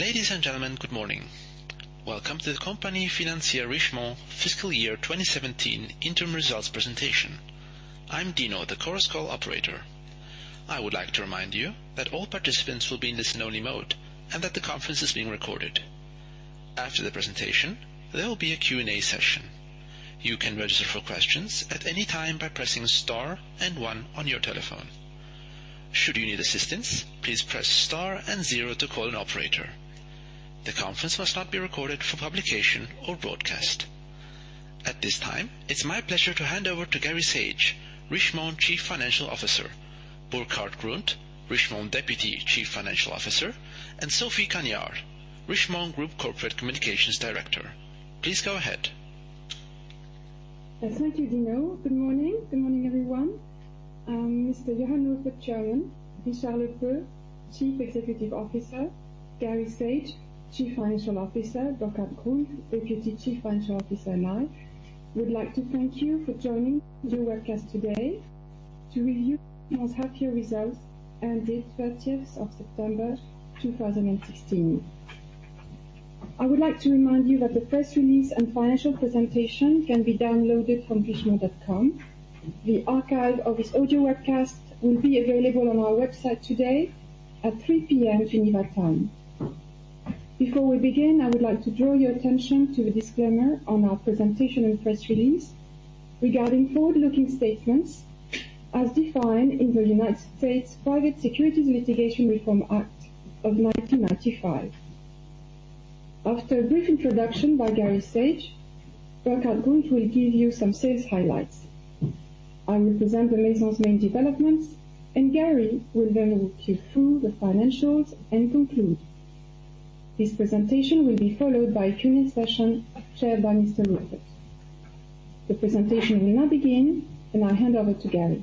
Ladies and gentlemen, good morning. Welcome to the company Financière Richemont fiscal year 2017 interim results presentation. I'm Dino, the Chorus Call operator. I would like to remind you that all participants will be in listen-only mode, and that the conference is being recorded. After the presentation, there will be a Q&A session. You can register for questions at any time by pressing star and one on your telephone. Should you need assistance, please press star and zero to call an operator. The conference must not be recorded for publication or broadcast. At this time, it's my pleasure to hand over to Gary Saage, Richemont Chief Financial Officer, Burkhart Grund, Richemont Deputy Chief Financial Officer, and Sophie Cagnard, Richemont Group Corporate Communications Director. Please go ahead. Thank you, Dino. Good morning, everyone. Mr. Johann Rupert, Chairman, Richard Lepeu, Chief Executive Officer, Gary Saage, Chief Financial Officer, Burkhart Grund, Deputy Chief Financial Officer and I would like to thank you for joining the webcast today to review the past half year results ended 30th of September, 2016. I would like to remind you that the press release and financial presentation can be downloaded from richemont.com. The archive of this audio webcast will be available on our website today at 3:00 P.M. Geneva time. Before we begin, I would like to draw your attention to the disclaimer on our presentation and press release regarding forward-looking statements as defined in the United States Private Securities Litigation Reform Act of 1995. After a brief introduction by Gary Saage, Burkhart Grund will give you some sales highlights. I will present the recent main developments. Gary will then walk you through the financials and conclude. This presentation will be followed by a Q&A session chaired by Mr. Rupert. The presentation will now begin. I hand over to Gary.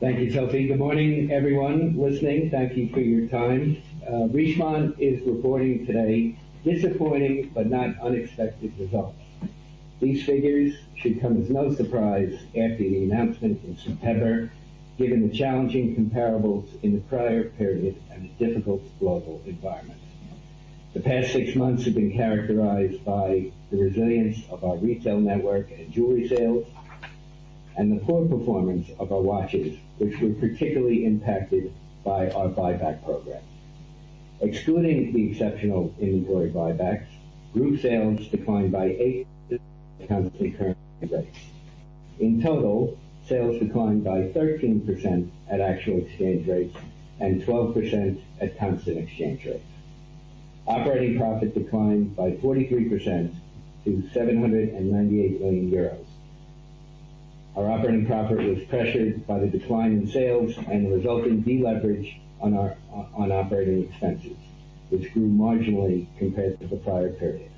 Thank you, Sophie. Good morning, everyone listening. Thank you for your time. Richemont is reporting today disappointing but not unexpected results. These figures should come as no surprise after the announcement in September, given the challenging comparables in the prior period and the difficult global environment. The past six months have been characterized by the resilience of our retail network and jewelry sales and the poor performance of our watches, which were particularly impacted by our buyback program. Excluding the exceptional inventory buybacks, group sales declined by 8% at constant exchange rates. In total, sales declined by 13% at actual exchange rates and 12% at constant exchange rates. Operating profit declined by 43% to 798 million euros. Our operating profit was pressured by the decline in sales and the resulting deleverage on operating expenses, which grew marginally compared to the prior period,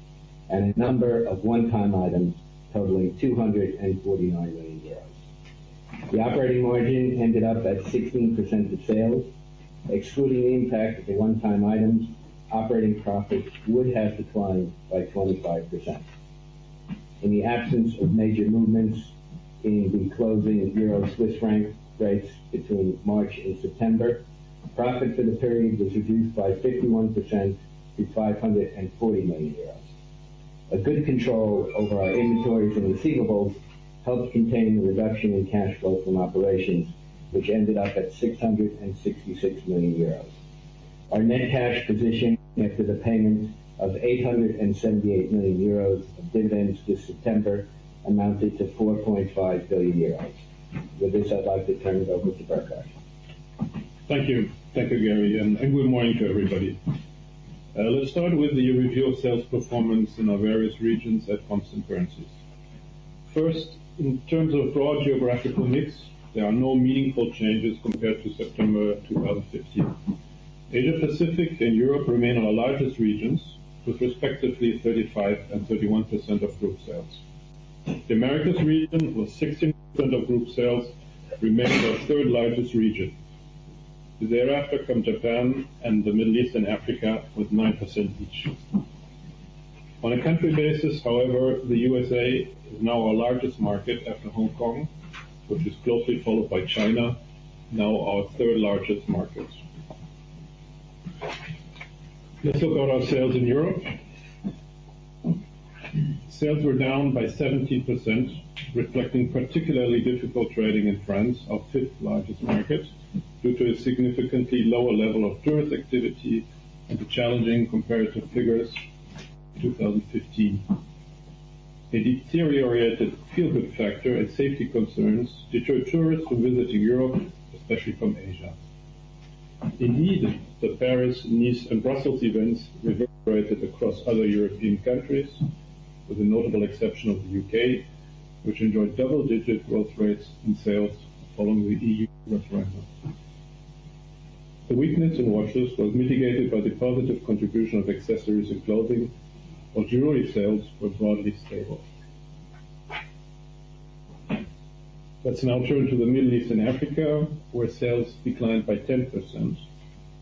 and a number of one-time items totaling 249 million euros. The operating margin ended up at 16% of sales. Excluding the impact of the one-time items, operating profits would have declined by 25%. In the absence of major movements in the closing euro-Swiss franc rates between March and September, profit for the period was reduced by 51% to 540 million euros. A good control over our inventories and receivables helped contain the reduction in cash flow from operations, which ended up at 666 million euros. Our net cash position after the payment of 878 million euros of dividends this September amounted to 4.5 billion euros. With this, I'd like to turn it over to Burkhart. Thank you. Thank you, Gary, and good morning to everybody. Let's start with the review of sales performance in our various regions at constant currencies. First, in terms of broad geographical mix, there are no meaningful changes compared to September 2015. Asia Pacific and Europe remain our largest regions, with respectively 35% and 31% of group sales. The Americas region, with 16% of group sales, remains our third largest region. Thereafter come Japan and the Middle East and Africa with 9% each. On a country basis, however, the USA is now our largest market after Hong Kong, which is closely followed by China, now our third largest market. Let's talk about our sales in Europe. Sales were down by 17%, reflecting particularly difficult trading in France, our fifth largest market, due to a significantly lower level of tourist activity and the challenging comparative figures in 2015. A deteriorated feel-good factor and safety concerns deterred tourists from visiting Europe, especially from Asia. Indeed, the Paris, Nice, and Brussels events reverberated across other European countries, with the notable exception of the U.K., which enjoyed double-digit growth rates in sales following the EU referendum. The weakness in watches was mitigated by the positive contribution of accessories and clothing, while jewelry sales were broadly stable. Let's now turn to the Middle East and Africa, where sales declined by 10%,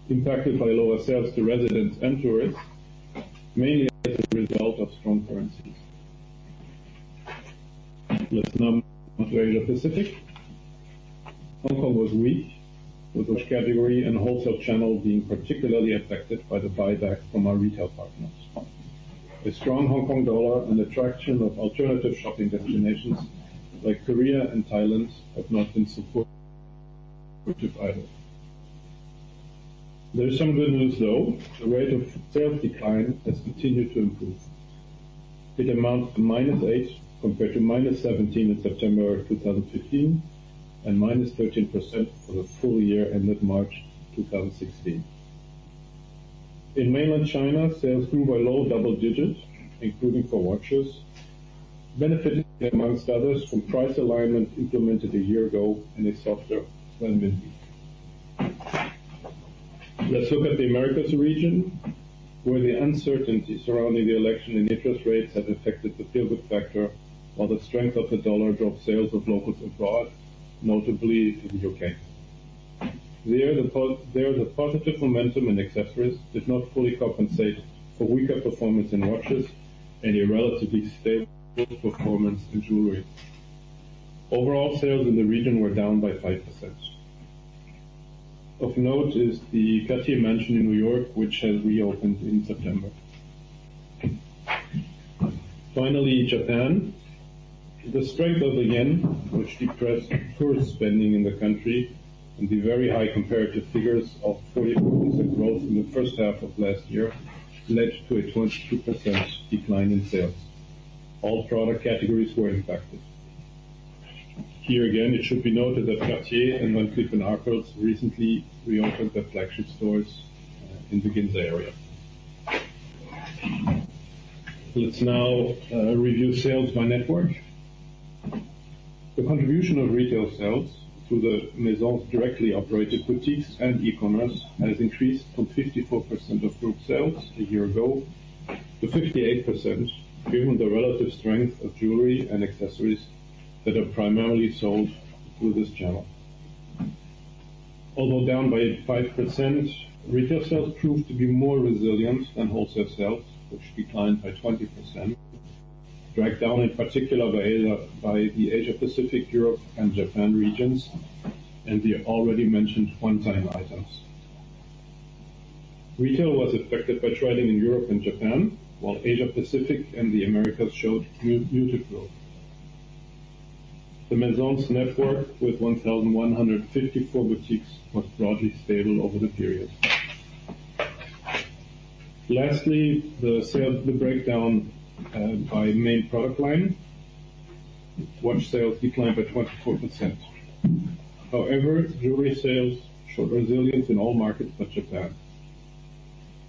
impacted by lower sales to residents and tourists, mainly as a result of strong currencies. Let's now move to Asia Pacific. Hong Kong was weak, with watch category and wholesale channel being particularly affected by the buyback from our retail partners. A strong Hong Kong dollar and the traction of alternative shopping destinations like Korea and Thailand have not been supportive either. There is some good news, though. The rate of sales decline has continued to improve. It amounts to minus 8%, compared to minus 17% in September 2015, and minus 13% for the full year ended March 2016. In mainland China, sales grew by low double digits, including for watches, benefiting amongst others from price alignment implemented a year ago and a softer renminbi. Let's look at the Americas region, where the uncertainty surrounding the election and interest rates has affected the feel-good factor, while the strength of the dollar dropped sales of locals abroad, notably in the U.K. There, the positive momentum in accessories did not fully compensate for weaker performance in watches and a relatively stable performance in jewelry. Overall sales in the region were down by 5%. Of note is the Cartier Mansion in New York, which has reopened in September. Finally, Japan. The strength of the yen, which depressed tourist spending in the country, and the very high comparative figures of 40% growth in the first half of last year led to a 22% decline in sales. All product categories were impacted. Here again, it should be noted that Cartier and Van Cleef & Arpels recently reopened their flagship stores in the Ginza area. Let's now review sales by network. The contribution of retail sales to the Maison's directly operated boutiques and e-commerce has increased from 54% of group sales a year ago to 58%, given the relative strength of jewelry and accessories that are primarily sold through this channel. Although down by 5%, retail sales proved to be more resilient than wholesale sales, which declined by 20%, dragged down in particular by the Asia-Pacific, Europe, and Japan regions, and the already mentioned one-time items. Retail was affected by trading in Europe and Japan, while Asia-Pacific and the Americas showed good growth. The Maison's network with 1,154 boutiques was broadly stable over the period. Lastly, the breakdown by main product line. Watch sales declined by 24%. However, jewelry sales showed resilience in all markets but Japan.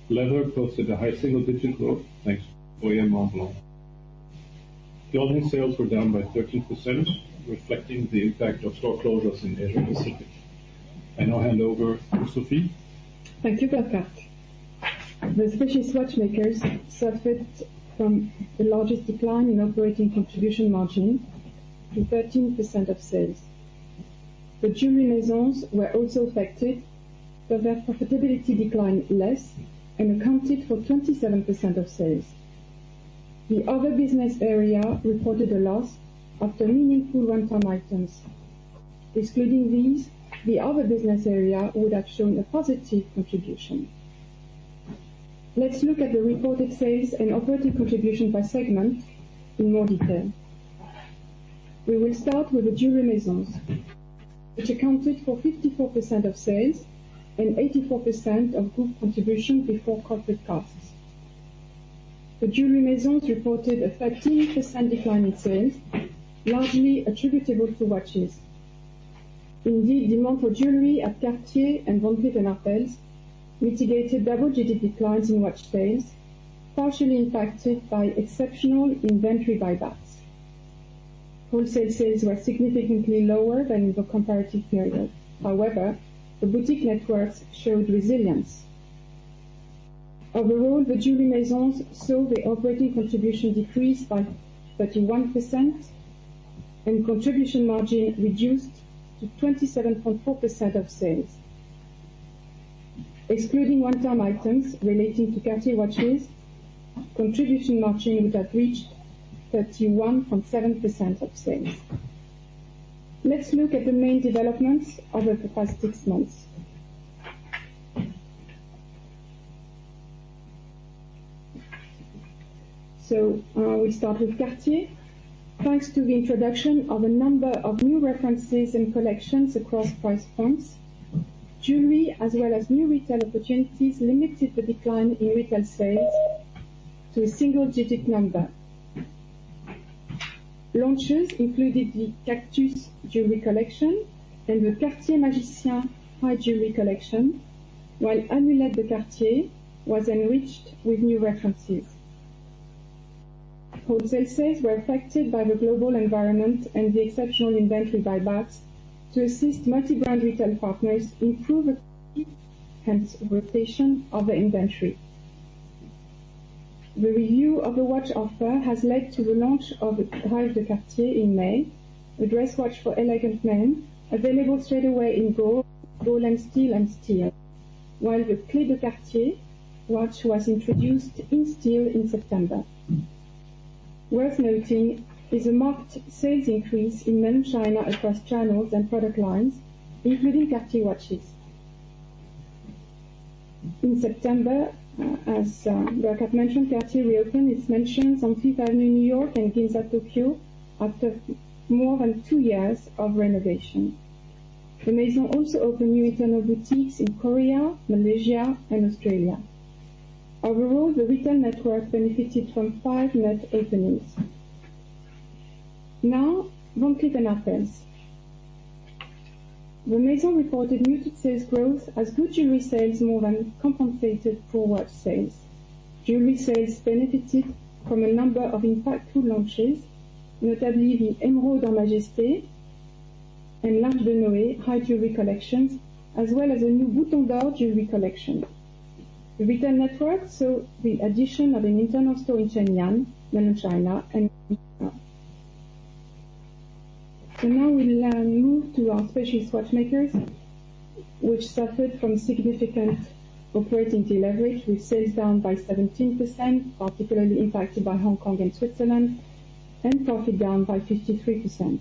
Leather posted a high single-digit growth, thanks to Boyer Montblanc. Leather sales were down by 13%, reflecting the impact of store closures in Asia-Pacific. I now hand over to Sophie. Thank you, Burkhart. The Swiss watchmakers suffered from the largest decline in operating contribution margin to 13% of sales. The Jewelry Maisons were also affected, but their profitability declined less and accounted for 27% of sales. The other business area reported a loss after meaningful one-time items. Excluding these, the other business area would have shown a positive contribution. Let's look at the reported sales and operating contribution by segment in more detail. We will start with the Jewelry Maisons, which accounted for 54% of sales and 84% of group contribution before corporate costs. The Jewelry Maisons reported a 13% decline in sales, largely attributable to watches. Indeed, demand for jewelry at Cartier and Van Cleef & Arpels mitigated double-digit declines in watch sales, partially impacted by exceptional inventory buybacks. Wholesale sales were significantly lower than in the comparative period. However, the boutique networks showed resilience. Overall, the Jewelry Maisons saw their operating contribution decrease by 31%, and contribution margin reduced to 27.4% of sales. Excluding one-time items relating to Cartier watches, contribution margin would have reached 31.7% of sales. Let's look at the main developments over the past six months. We start with Cartier. Thanks to the introduction of a number of new references and collections across price points, jewelry as well as new retail opportunities limited the decline in retail sales to a single-digit number. Launches included the Cactus jewelry collection and the Cartier Magician high jewelry collection, while Amulette de Cartier was enriched with new references. Wholesale sales were affected by the global environment and the exceptional inventory buybacks to assist multi-brand retail partners improve rotation of their inventory. The review of the watch offer has led to the launch of Drive de Cartier in May, a dress watch for elegant men, available straight away in gold and steel, and steel. While the Clé de Cartier watch was introduced in steel in September. Worth noting is a marked sales increase in mainland China across channels and product lines, including Cartier watches. In September, as Burkhart had mentioned, Cartier reopened its Maisons on Fifth Avenue, New York and Ginza, Tokyo after more than two years of renovation. The Maison also opened new internal boutiques in Korea, Malaysia, and Australia. Overall, the retail network benefited from five net openings. Now, Van Cleef & Arpels. The Maison reported muted sales growth as good jewelry sales more than compensated for watch sales. Jewelry sales benefited from a number of impactful launches, notably the Émeraude Majesté and L'Arche de Noé high jewelry collections, as well as a new Bouton d'or jewelry collection. The retail network saw the addition of an internal store in Shenyang, mainland China and Hong Kong. Now we move to our specialist watchmakers, which suffered from significant operating deleverage with sales down by 17%, particularly impacted by Hong Kong and Switzerland, and profit down by 53%.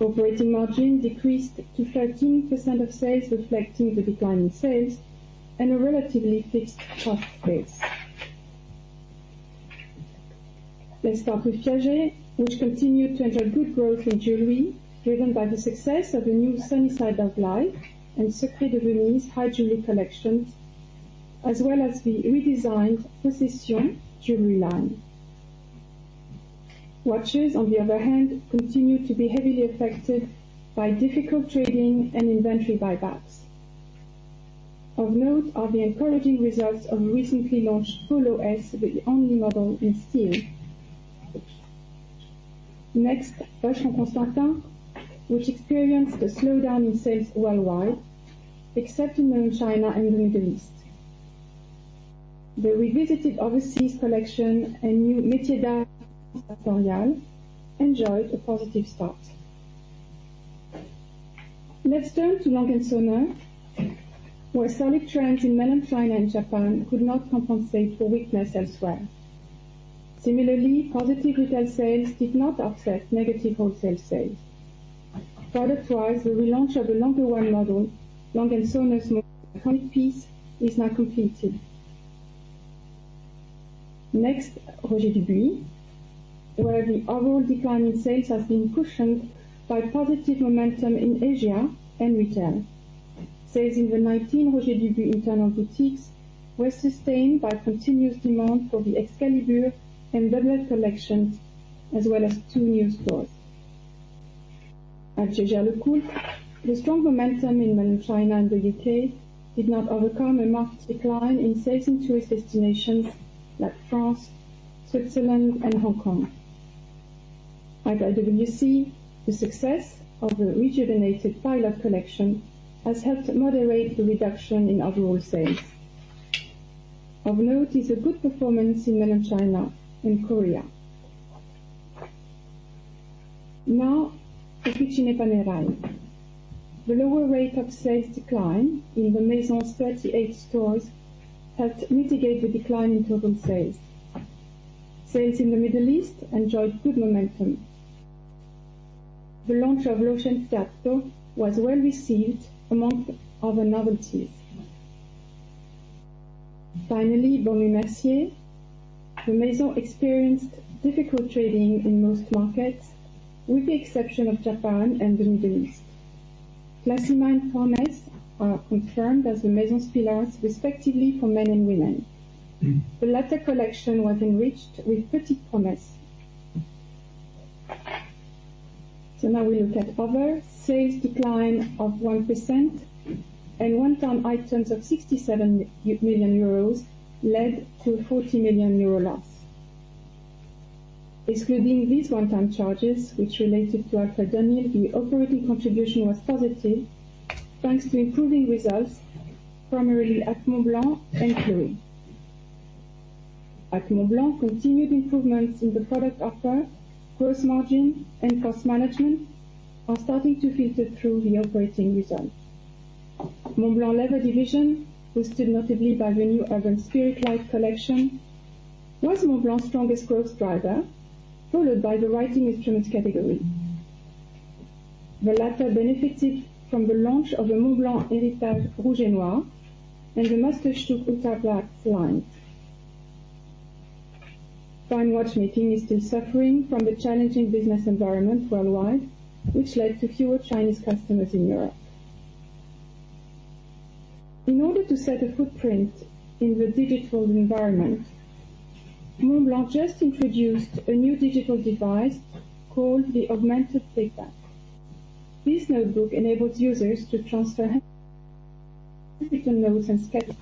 Operating margin decreased to 13% of sales, reflecting the decline in sales and a relatively fixed cost base. Let's start with Piaget, which continued to enjoy good growth in jewelry, driven by the success of the new Sunny Side of Life and Secret de Rêve high jewelry collections, as well as the redesigned Possession jewelry line. Watches, on the other hand, continued to be heavily affected by difficult trading and inventory buybacks. Of note are the encouraging results of recently launched Polo S, the only model in steel. Next, Vacheron Constantin, which experienced a slowdown in sales worldwide, except in mainland China and the Middle East. The revisited Overseas collection and new Métiers d'Art Contemporain enjoyed a positive start. Let's turn to A. Lange & Söhne, where solid trends in mainland China and Japan could not compensate for weakness elsewhere. Similarly, positive retail sales did not offset negative wholesale sales. Product-wise, the relaunch of the number one, A. Lange & Söhne's most iconic piece, is now completed. Next, Roger Dubuis, where the overall decline in sales has been cushioned by positive momentum in Asia and retail. Sales in the 19 Roger Dubuis internal boutiques were sustained by continuous demand for the Excalibur and Double Tourbillon collections, as well as two new stores. At Jaeger-LeCoultre, the strong momentum in mainland China and the U.K. did not overcome a marked decline in sales in tourist destinations like France, Switzerland, and Hong Kong. At IWC, the success of the rejuvenated Pilot collection has helped moderate the reduction in overall sales. Of note is a good performance in mainland China and Korea. Now, Officine Panerai. The lower rate of sales decline in the Maison's 38 stores helped mitigate the decline in total sales. Sales in the Middle East enjoyed good momentum. The launch of Luminor Due was well-received among other novelties. Finally, Baume & Mercier. The Maison experienced difficult trading in most markets, with the exception of Japan and the Middle East. Classima and Promesse are confirmed as the Maison's pillars, respectively for men and women. The latter collection was enriched with Petite Promesse. Now we look at other. Sales decline of 1% and one-time items of 67 million euros led to a 40 million euro loss. Excluding these one-time charges, which related to Alfred Dunhill, the operating contribution was positive, thanks to improving results, primarily at Montblanc and Chloé. At Montblanc, continued improvements in the product offer, gross margin, and cost management are starting to filter through the operating result. Montblanc Leather division, boosted notably by the new Urban Spirit collection, was Montblanc's strongest growth driver, followed by the Writing Instruments category. The latter benefited from the launch of the Montblanc Heritage Rouge et Noir and the Meisterstück Black lines. Fine Watchmaking is still suffering from the challenging business environment worldwide, which led to fewer Chinese customers in Europe. In order to set a footprint in the digital environment, Montblanc just introduced a new digital device called the Augmented Paper. This notebook enables users to transfer handwritten notes and sketches.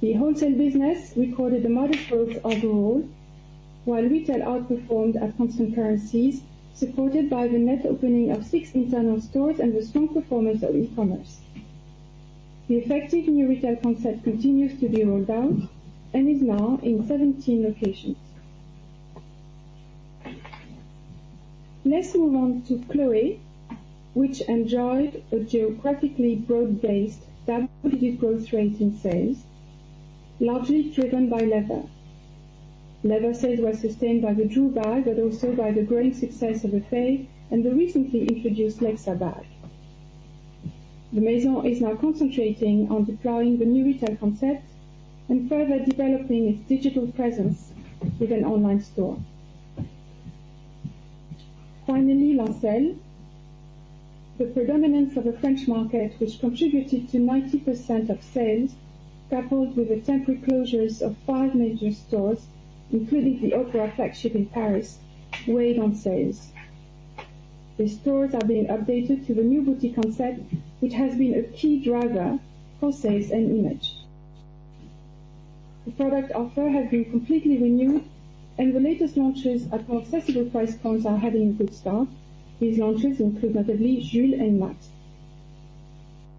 The wholesale business recorded a modest growth overall, while retail outperformed at constant currencies, supported by the net opening of 6 internal stores and the strong performance of e-commerce. The effective new retail concept continues to be rolled out and is now in 17 locations. Let's move on to Chloé, which enjoyed a geographically broad-based double-digit growth rate in sales, largely driven by leather. Leather sales were sustained by the Drew bag, but also by the growing success of the Faye and the recently introduced Lexa bag. The Maison is now concentrating on deploying the new retail concept and further developing its digital presence with an online store. Finally, Lancel. The predominance of the French market, which contributed to 90% of sales, coupled with the temporary closures of 5 major stores, including the Opéra flagship in Paris, weighed on sales. The stores are being updated to the new boutique concept, which has been a key driver for sales and image. The product offer has been completely renewed, and the latest launches at more accessible price points are having a good start. These launches include notably Jules and Mathilde.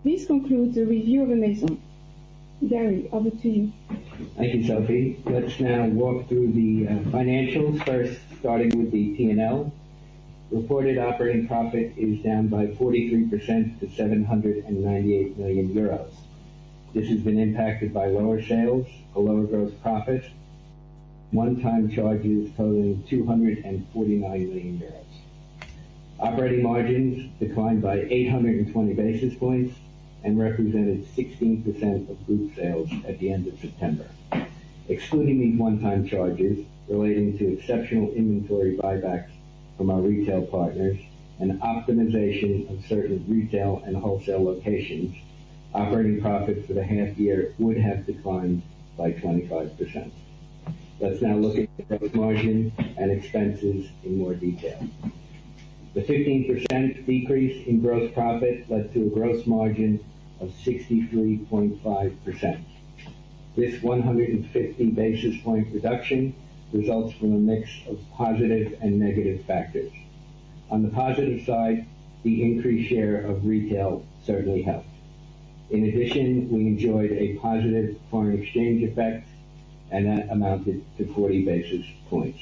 This concludes the review of the Maison. Gary, over to you. Thank you, Sophie. Let's now walk through the financials, first starting with the P&L. Reported operating profit is down by 43% to 798 million euros. This has been impacted by lower sales, a lower gross profit, one-time charges totaling 249 million. Operating margins declined by 820 basis points and represented 16% of group sales at the end of September. Excluding these one-time charges relating to exceptional inventory buybacks from our retail partners and optimization of certain retail and wholesale locations, operating profit for the half year would have declined by 25%. Let's now look at gross margin and expenses in more detail. The 15% decrease in gross profit led to a gross margin of 63.5%. This 150 basis point reduction results from a mix of positive and negative factors. On the positive side, the increased share of retail certainly helped. In addition, we enjoyed a positive foreign exchange effect, and that amounted to 40 basis points.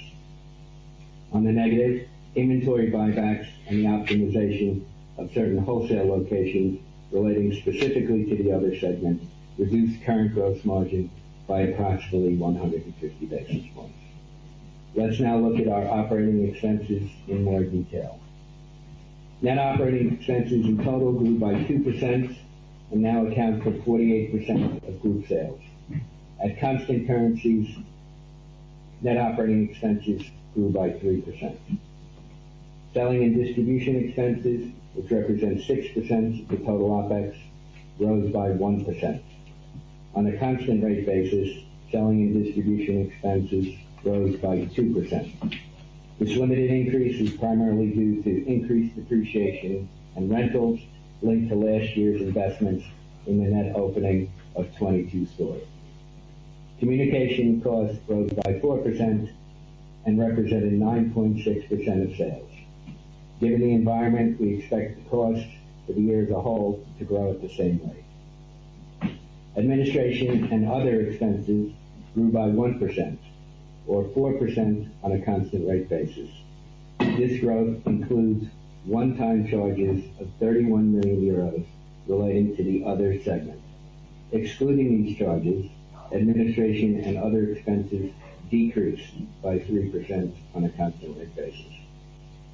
On the negative, inventory buybacks and the optimization of certain wholesale locations relating specifically to the other segment reduced current gross margin by approximately 150 basis points. Let's now look at our operating expenses in more detail. Net operating expenses in total grew by 2% and now account for 48% of group sales. At constant currencies, net operating expenses grew by 3%. Selling and distribution expenses, which represent 6% of the total OpEx, rose by 1%. On a constant rate basis, selling and distribution expenses rose by 2%. This limited increase is primarily due to increased depreciation and rentals linked to last year's investments in the net opening of 22 stores. Communication costs rose by 4% and represented 9.6% of sales. Given the environment, we expect the cost for the year as a whole to grow at the same rate. Administration and other expenses grew by 1%, or 4% on a constant rate basis. This growth includes one-time charges of 31 million euros relating to the other segment. Excluding these charges, administration and other expenses decreased by 3% on a constant rate basis.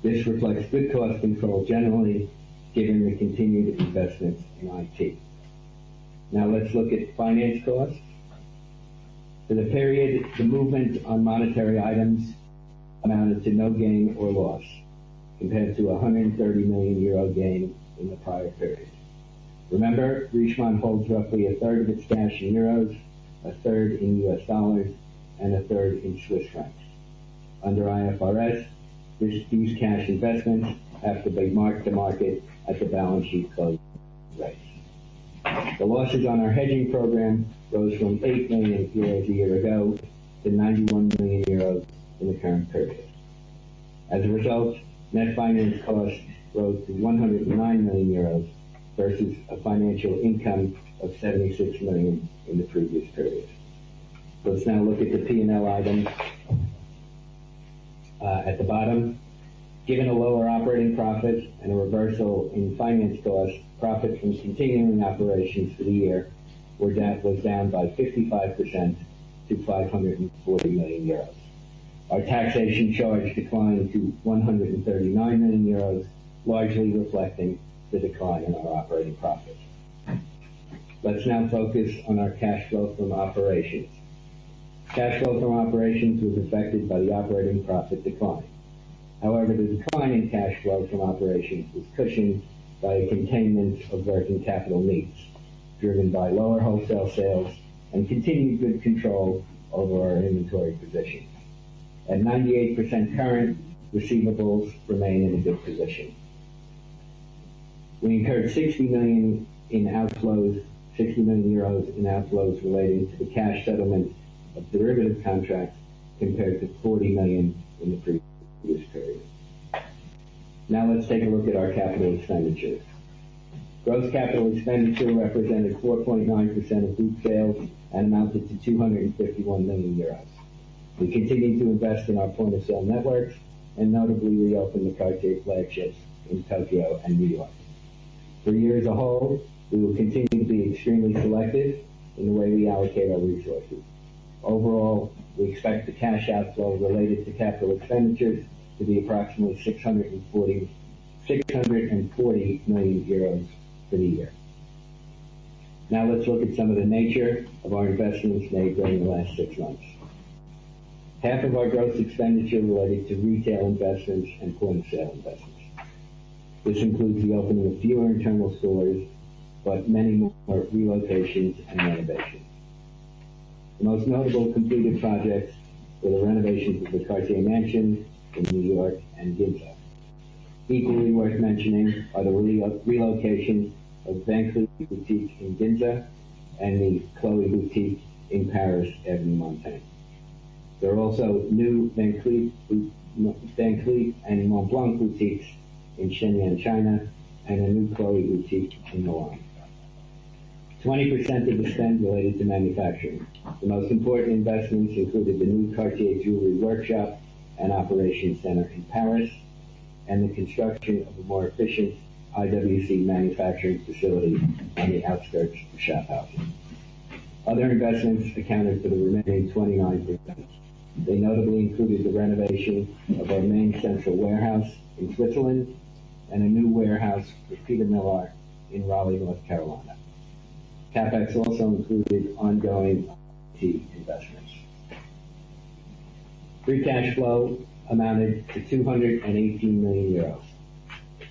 This reflects good cost control generally, given the continued investment in IT. Now let's look at finance costs. For the period, the movement on monetary items amounted to no gain or loss, compared to a 130 million euro gain in the prior period. Remember, Richemont holds roughly a third of its cash in euros, a third in US dollars, and a third in Swiss francs. Under IFRS, these cash investments have to be marked to market at the balance sheet closing rates. The losses on our hedging program rose from 8 million euros a year ago to 91 million euros in the current period. As a result, net finance costs rose to 109 million euros versus a financial income of 76 million in the previous period. Let's now look at the P&L items at the bottom. Given a lower operating profit and a reversal in finance costs, profits from continuing operations for the year was down by 55% to 540 million euros. Our taxation charge declined to 139 million euros, largely reflecting the decline in our operating profit. Let's now focus on our cash flow from operations. Cash flow from operations was affected by the operating profit decline. However, the decline in cash flow from operations was cushioned by a containment of working capital needs, driven by lower wholesale sales and continued good control over our inventory position. At 98% current, receivables remain in a good position. We incurred 60 million in outflows related to the cash settlement of derivative contracts compared to 40 million in the previous period. Now let's take a look at our capital expenditures. Gross capital expenditure represented 4.9% of group sales and amounted to 251 million euros. We continued to invest in our point-of-sale networks and notably reopened the Cartier flagships in Tokyo and New York. For years ahead, we will continue to be extremely selective in the way we allocate our resources. Overall, we expect the cash outflow related to capital expenditures to be approximately 640 million euros for the year. Now let's look at some of the nature of our investments made during the last six months. Half of our gross expenditure related to retail investments and point-of-sale investments. This includes the opening of fewer internal stores, but many more relocations and renovations. The most notable completed projects were the renovations of the Cartier mansion in New York and Ginza. Equally worth mentioning are the relocations of Van Cleef boutiques in Ginza and the Chloé boutique in Paris, Avenue Montaigne. There are also new Van Cleef and Montblanc boutiques in Shenzhen, China, and a new Chloé boutique in Milan. 20% of the spend related to manufacturing. The most important investments included the new Cartier jewelry workshop and operations center in Paris, and the construction of a more efficient IWC manufacturing facility on the outskirts of Schaffhausen. Other investments accounted for the remaining 29%. They notably included the renovation of our main central warehouse in Switzerland and a new warehouse for Peter Millar in Raleigh, North Carolina. CapEx also included ongoing IT investments. Free cash flow amounted to 218 million euros.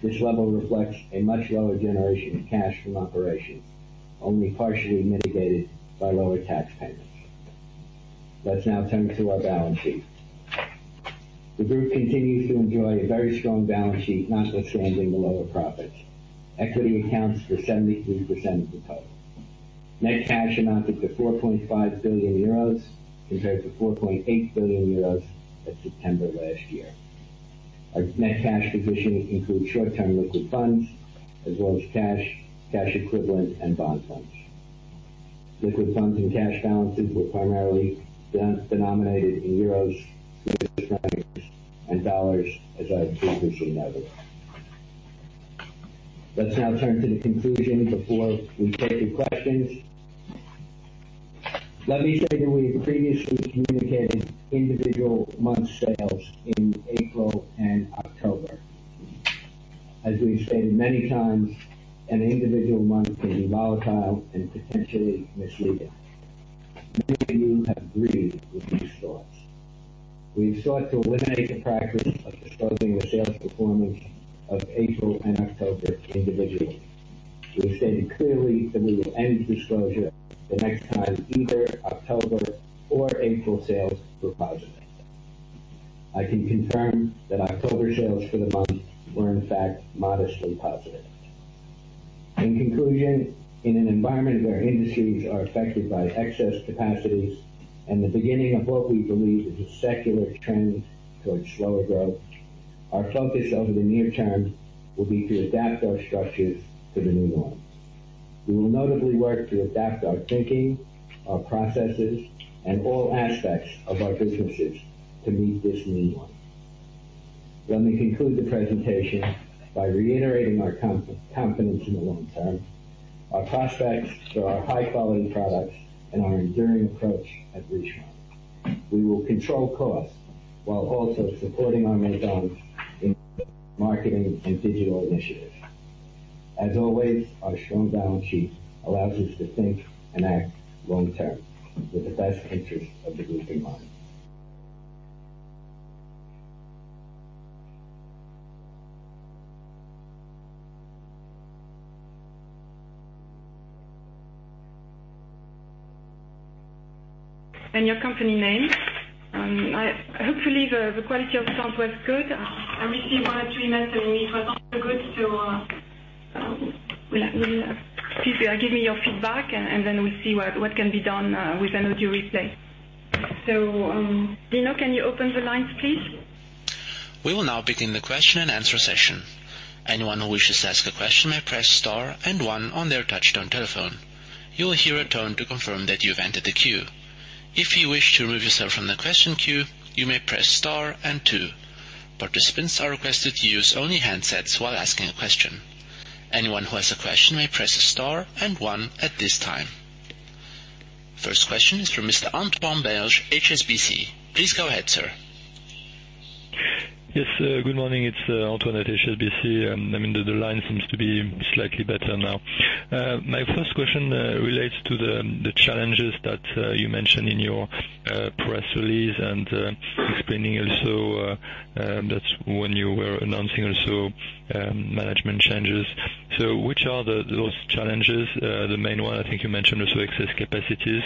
This level reflects a much lower generation of cash from operations, only partially mitigated by lower tax payments. Let's now turn to our balance sheet. The group continues to enjoy a very strong balance sheet notwithstanding the lower profits. Equity accounts for 73% of the total. Net cash amounted to 4.5 billion euros, compared to 4.8 billion euros at September last year. Our net cash position includes short-term liquid funds as well as cash equivalents, and bond funds. Liquid funds and cash balances were primarily denominated in euros, Swiss francs, and U.S. dollars, as I previously noted. Let's now turn to the conclusion before we take your questions. Let me say that we previously communicated individual month sales in April and October. As we've stated many times, an individual month can be volatile and potentially misleading. Many of you have agreed with these thoughts. We've sought to eliminate the practice of disclosing the sales performance of April and October individually. We've stated clearly that we will end disclosure the next time either October or April sales were positive. I can confirm that October sales for the month were in fact modestly positive. In conclusion, in an environment where industries are affected by excess capacities and the beginning of what we believe is a secular trend towards slower growth, our focus over the near term will be to adapt our structures to the new one. We will notably work to adapt our thinking, our processes, and all aspects of our businesses to meet this new one. Let me conclude the presentation by reiterating our confidence in the long term, our prospects for our high-quality products, and our enduring approach at Richemont. We will control costs while also supporting our Maisons in marketing and digital initiatives. As always, our strong balance sheet allows us to think and act long-term with the best interest of the group in mind. Your company name. Hopefully, the quality of the sound was good. I received one or two messages. If it was not so good, please give me your feedback and then we'll see what can be done with an audio replay. Dino, can you open the lines, please? We will now begin the question-and-answer session. Anyone who wishes to ask a question may press star and one on their touchtone telephone. You will hear a tone to confirm that you've entered the queue. If you wish to remove yourself from the question queue, you may press star and two. Participants are requested to use only handsets while asking a question. Anyone who has a question may press star and one at this time. First question is from Mr. Antoine Belge, HSBC. Please go ahead, sir. Yes. Good morning, it's Antoine at HSBC. The line seems to be slightly better now. My first question relates to the challenges that you mentioned in your press release and explaining also that when you were announcing also management changes. Which are those challenges? The main one, I think you mentioned also excess capacities.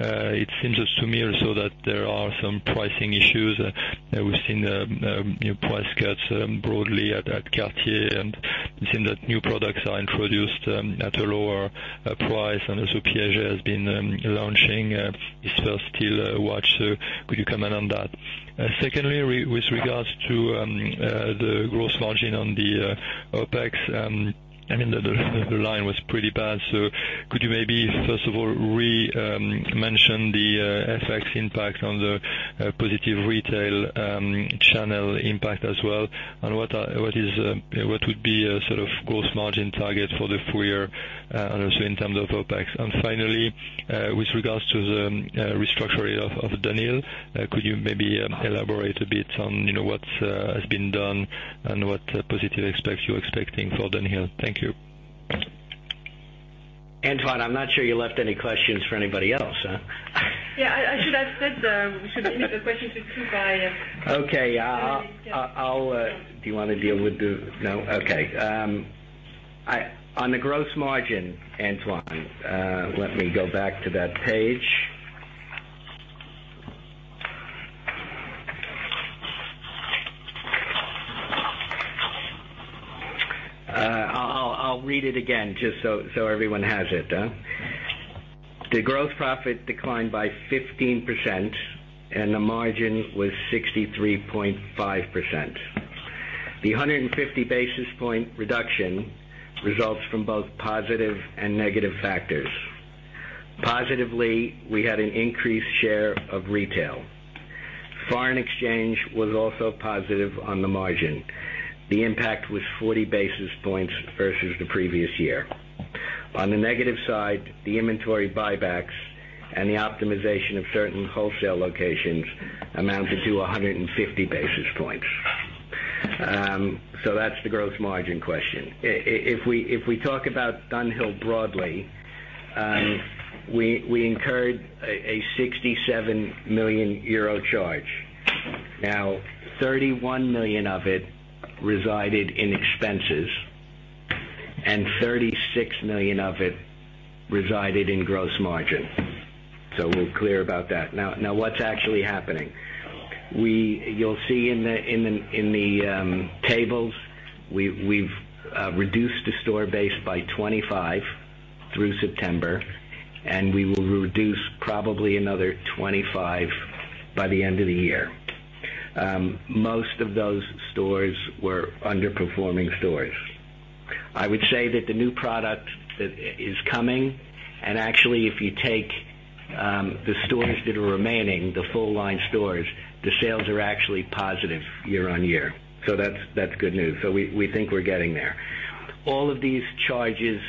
It seems to me also that there are some pricing issues. We've seen price cuts broadly at Cartier, and it seems that new products are introduced at a lower price. Piaget has been launching its first steel watch. Could you comment on that? Secondly, with regards to the gross margin on the OpEx, the line was pretty bad. Could you maybe first of all re-mention the FX impact on the positive retail channel impact as well, and what would be a sort of gross margin target for the full year also in terms of OpEx? Finally, with regards to the restructuring of Dunhill, could you maybe elaborate a bit on what has been done and what positive effects you're expecting for Dunhill? Thank you. Antoine, I'm not sure you left any questions for anybody else, huh? Yeah, I should have said we should limit the questions to two. Okay. Do you want to deal with the No? Okay. On the gross margin, Antoine, let me go back to that page. I'll read it again just so everyone has it. The gross profit declined by 15%, and the margin was 63.5%. The 150 basis point reduction results from both positive and negative factors. Positively, we had an increased share of retail. Foreign exchange was also positive on the margin. The impact was 40 basis points versus the previous year. On the negative side, the inventory buybacks and the optimization of certain wholesale locations amounted to 150 basis points. That's the gross margin question. If we talk about Dunhill broadly, we incurred a 67 million euro charge. 31 million of it resided in expenses, and 36 million of it resided in gross margin. We're clear about that. What's actually happening? You'll see in the tables, we've reduced the store base by 25 through September, and we will reduce probably another 25 by the end of the year. Most of those stores were underperforming stores. I would say that the new product is coming. And actually, if you take the stores that are remaining, the full-line stores, the sales are actually positive year-on-year. That's good news. We think we're getting there. All of these charges,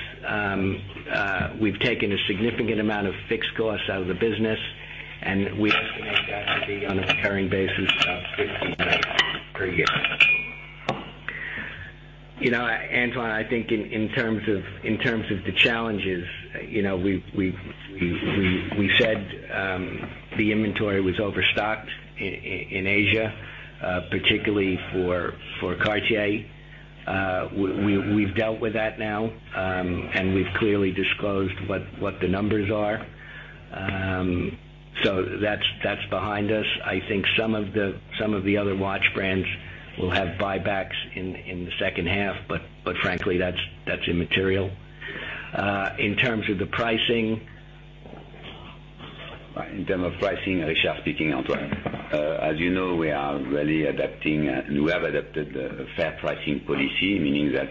we've taken a significant amount of fixed costs out of the business, and we estimate that to be on a recurring basis, about 50 million per year. Antoine, I think in terms of the challenges, we said the inventory was overstocked in Asia, particularly for Cartier. We've dealt with that now, and we've clearly disclosed what the numbers are. That's behind us. I think some of the other watch brands will have buybacks in the second half. Frankly, that's immaterial. In terms of the pricing- In terms of pricing, Richard Lepeu speaking, Antoine Belge. As you know, we have adapted a fair pricing policy, meaning that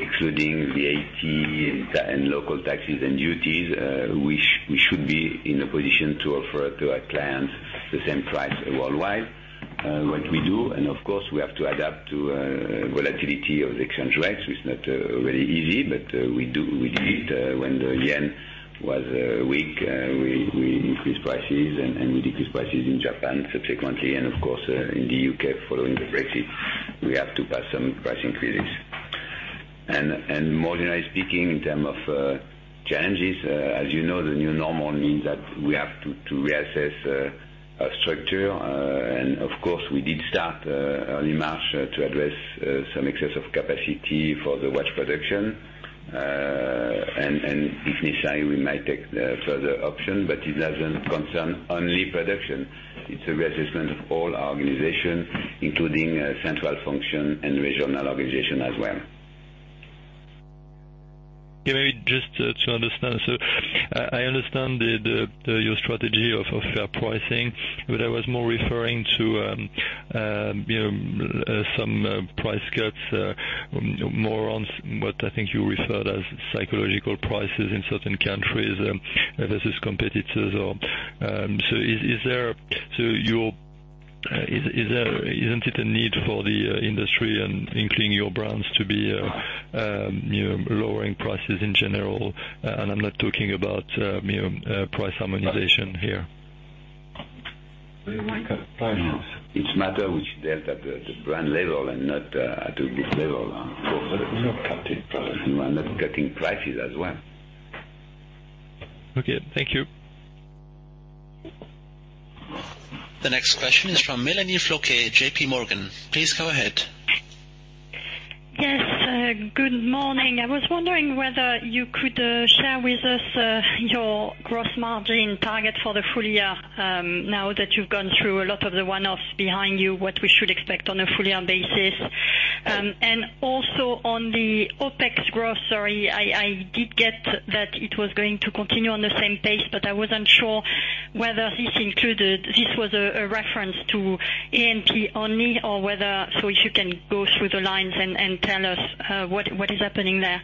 excluding VAT and local taxes and duties, we should be in a position to offer to our clients the same price worldwide, which we do. Of course, we have to adapt to volatility of exchange rates. It's not very easy, but we did it when the yen was weak. We increased prices, and we decreased prices in Japan subsequently. Of course, in the U.K., following the Brexit, we have to pass some price increases. More generally speaking, in terms of challenges, as you know, the new normal means that we have to reassess our structure. Of course, we did start early March to address some excess of capacity for the watch production. If necessary, we might take further option, but it doesn't concern only production. It's a reassessment of all our organization, including central function and regional organization as well. Yeah, maybe just to understand. I understand your strategy of fair pricing, but I was more referring to some price cuts more on what I think you referred as psychological prices in certain countries versus competitors. Isn't it a need for the industry and including your brands to be lowering prices in general? I'm not talking about price harmonization here. We won't cut prices. It's a matter which is dealt at the brand level and not at the group level. We're not cutting prices. We're not cutting prices as well. Okay, thank you. The next question is from Melanie Flouquet at JP Morgan. Please go ahead. Yes. Good morning. I was wondering whether you could share with us your gross margin target for the full year, now that you've gone through a lot of the one-offs behind you, what we should expect on a full-year basis. Also on the OpEx growth. Sorry, I did get that it was going to continue on the same pace, but I wasn't sure whether this was a reference to A&P only. If you can go through the lines and tell us what is happening there.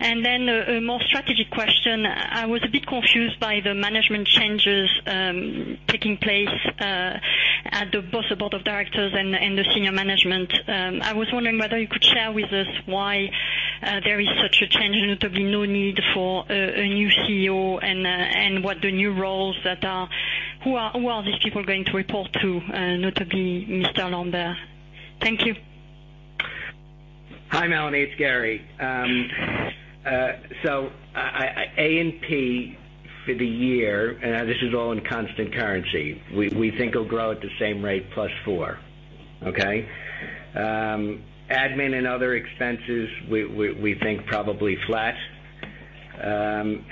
Then a more strategic question. I was a bit confused by the management changes taking place at both the board of directors and the senior management. I was wondering whether you could share with us why there is such a change, and notably no need for a new CEO and what the new roles that are. Who are these people going to report to, notably Mr. Lambert? Thank you. Hi, Melanie. It's Gary. A&P for the year, and this is all in constant currency, we think will grow at the same rate plus four. Okay? Admin and other expenses, we think probably flat, and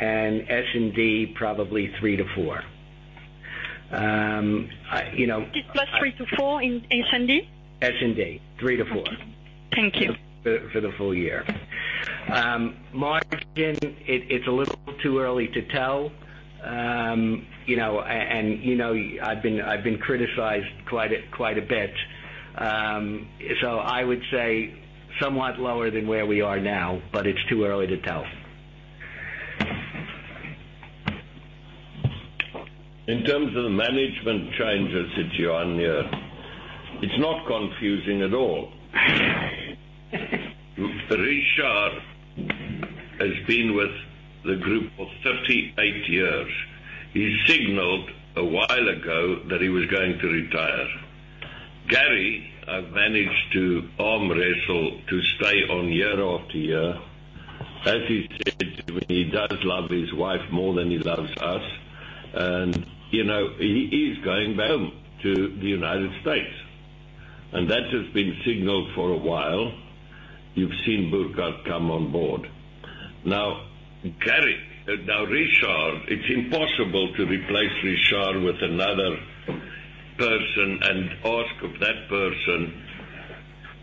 S&D probably three to four. Plus three to four in S&D? S&D. Three to four. Thank you. For the full year. Margin, it's a little too early to tell. I've been criticized quite a bit. I would say somewhat lower than where we are now, but it's too early to tell. In terms of the management changes, it's not confusing at all. Richard Lepeu has been with the group for 38 years. He signaled a while ago that he was going to retire. Gary Saage, I've managed to arm wrestle to stay on year after year. As he said, he does love his wife more than he loves us. He is going home to the U.S., and that has been signaled for a while. You've seen Burkhart Grund come on board. Now, Richard Lepeu, it's impossible to replace Richard Lepeu with another person and ask of that person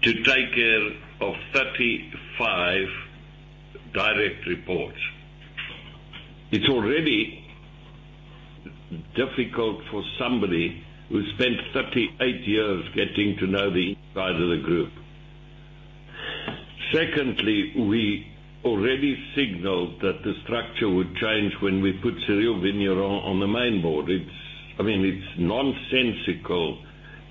to take care of 35 direct reports. It's already difficult for somebody who spent 38 years getting to know the inside of the group. Secondly, we already signaled that the structure would change when we put Cyrille Vigneron on the main board. It's nonsensical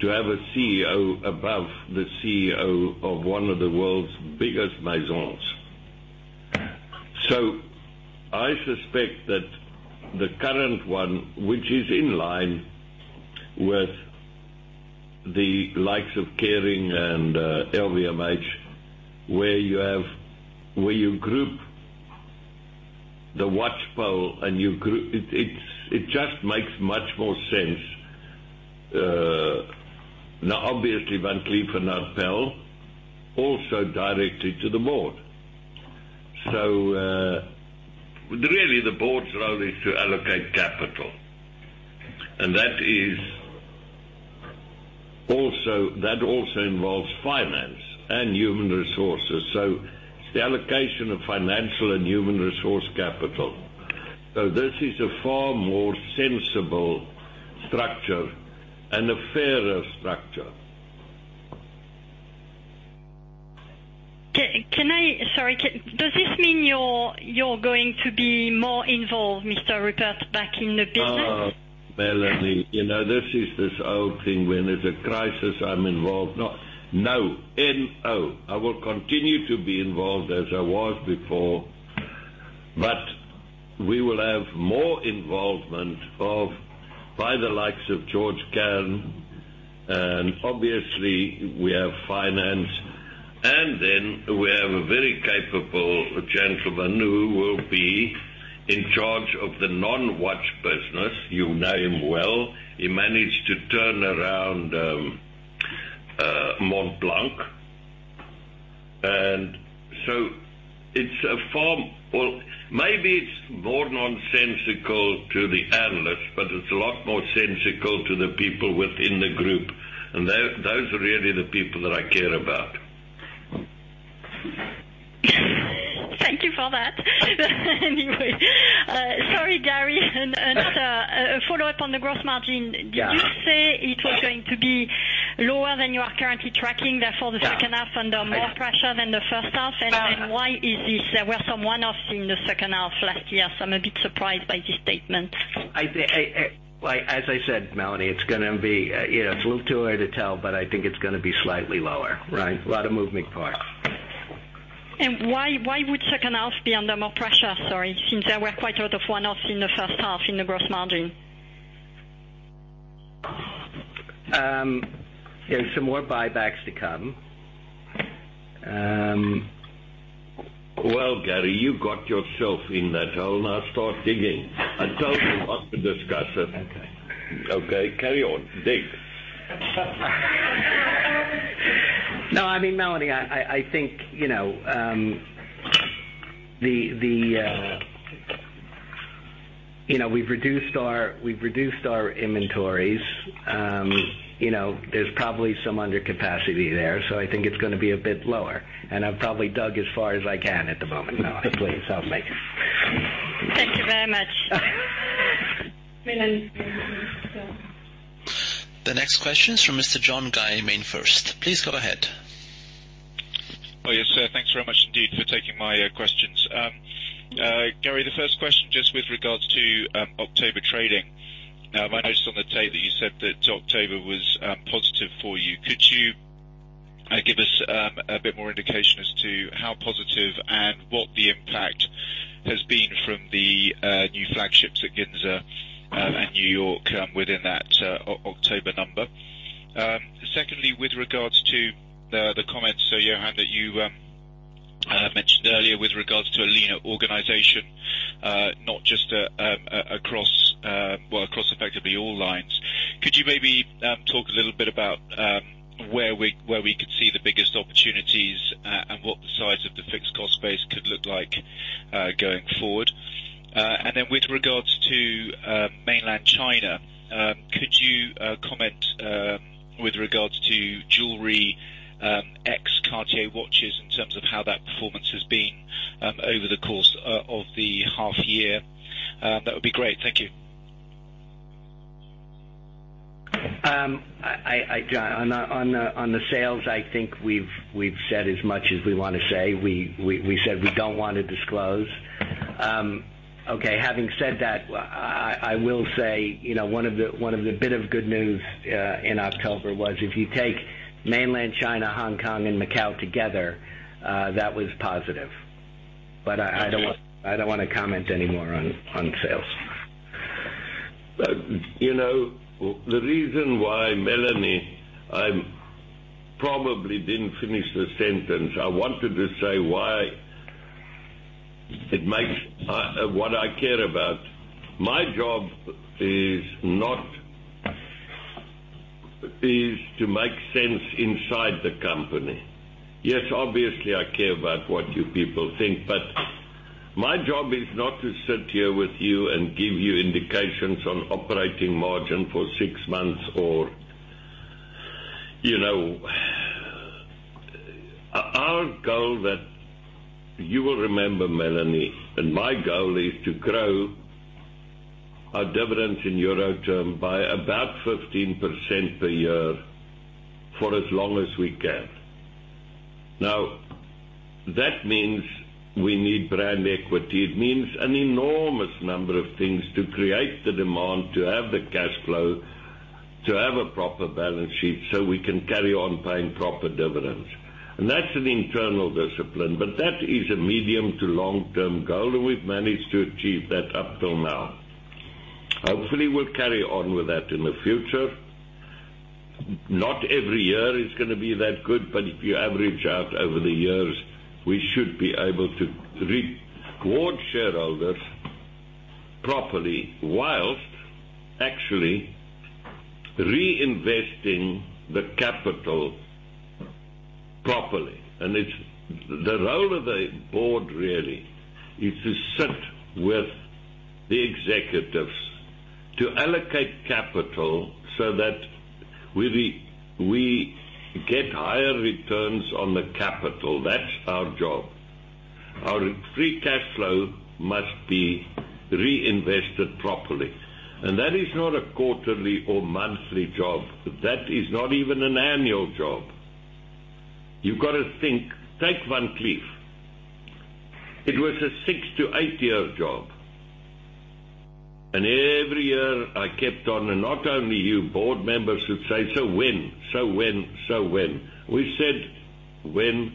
to have a CEO above the CEO of one of the world's biggest Maisons. I suspect that the current one, which is in line with the likes of Kering and LVMH. Where you group the watch pole and it just makes much more sense. Now, obviously, Van Cleef & Arpels also directly to the board. Really the board's role is to allocate capital. That also involves finance and human resources. It's the allocation of financial and human resource capital. This is a far more sensible structure and a fairer structure. Sorry. Does this mean you're going to be more involved, Mr. Rupert, back in the business? Melanie, this is this old thing. When there's a crisis, I'm involved. No. N-O. I will continue to be involved as I was before, but we will have more involvement by the likes of Georges Kern. Obviously, we have finance, then we have a very capable gentleman who will be in charge of the non-watch business. You know him well. He managed to turn around Montblanc. So maybe it's more nonsensical to the analysts, but it's a lot more sensical to the people within the group, and those are really the people that I care about. Thank you for that. Anyway, sorry, Gary, another follow-up on the gross margin. Yeah. Did you say it was going to be lower than you are currently tracking, therefore the second half under more pressure than the first half? Why is this? There were some one-offs in the second half last year, so I'm a bit surprised by this statement. As I said, Melanie, it's a little too early to tell, but I think it's going to be slightly lower. Right. A lot of moving parts. Why would second half be under more pressure? Sorry. Since there were quite a lot of one-offs in the first half in the gross margin. There are some more buybacks to come. Well, Gary, you got yourself in that hole. Now start digging. I told you what to discuss. Okay. Okay, carry on. Dig. No, Melanie, I think we've reduced our inventories. There's probably some undercapacity there, so I think it's going to be a bit lower. I've probably dug as far as I can at the moment. Now, please help me. Thank you very much. Melanie. The next question is from Mr. John Guy, MainFirst. Please go ahead. Oh, yes. Thanks very much indeed for taking my questions. Gary, the first question, just with regards to October trading. Now, I noticed on the tape that you said that October was positive for you. Could you give us a bit more indication as to how positive and what the impact has been from the new flagships at Ginza and New York within that October number? Secondly, with regards to the comments, Johann, that you mentioned earlier with regards to a leaner organization not just well, across effectively all lines. Could you maybe talk a little bit about where we could see the biggest opportunities and what the size of the fixed cost base could look like going forward? With regards to Mainland China, could you comment with regards to jewelry ex Cartier watches in terms of how that performance has been over the course of the half year? That would be great. Thank you. John, on the sales, I think we've said as much as we want to say. We said we don't want to disclose. Okay, having said that, I will say, one of the bit of good news in October was if you take Mainland China, Hong Kong, and Macau together, that was positive. I don't want to comment anymore on sales. The reason why, Melanie, I probably didn't finish the sentence. I wanted to say why it makes what I care about. My job is to make sense inside the company. Yes, obviously, I care about what you people think, but my job is not to sit here with you and give you indications on operating margin for six months. Our goal that you will remember, Melanie, and my goal is to grow our dividends in EUR term by about 15% per year for as long as we can. Now, that means we need brand equity. It means an enormous number of things to create the demand, to have the cash flow, to have a proper balance sheet so we can carry on paying proper dividends. That's an internal discipline, but that is a medium to long-term goal, and we've managed to achieve that up till now. Hopefully, we'll carry on with that in the future. Not every year is going to be that good, but if you average out over the years, we should be able to reward shareholders properly whilst actually reinvesting the capital properly. The role of the board really is to sit with the executives to allocate capital so that we get higher returns on the capital. That's our job. Our free cash flow must be reinvested properly. That is not a quarterly or monthly job. That is not even an annual job. You've got to think, take Van Cleef. It was a six- to eight-year job. Every year I kept on, and not only you board members would say, "So when?" We said, "When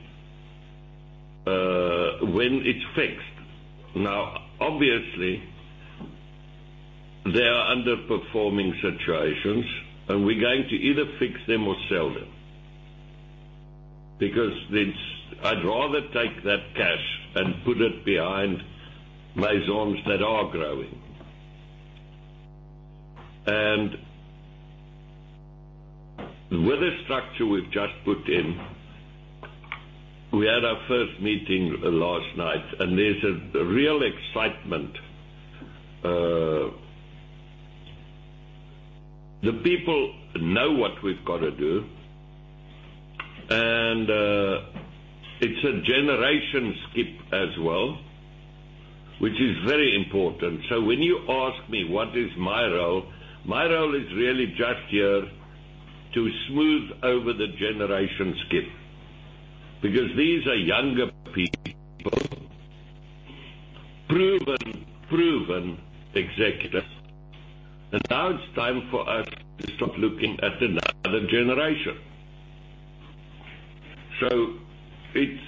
it's fixed." Obviously, they are underperforming situations, and we're going to either fix them or sell them because I'd rather take that cash and put it behind Maisons that are growing. With the structure we've just put in, we had our first meeting last night, and there's a real excitement. The people know what we've got to do, and it's a generation skip as well, which is very important. When you ask me what is my role, my role is really just here to smooth over the generation skip because these are younger people Proven executives. Now it's time for us to start looking at another generation. It's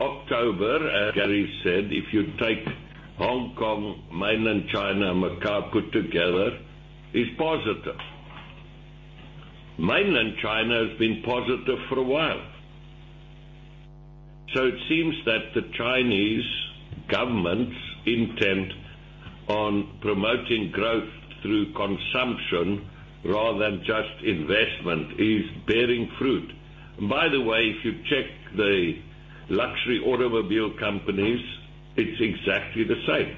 October. As Gary Saage said, if you take Hong Kong, mainland China, and Macau put together, it's positive. Mainland China has been positive for a while. It seems that the Chinese government's intent on promoting growth through consumption rather than just investment is bearing fruit. By the way, if you check the luxury automobile companies, it's exactly the same.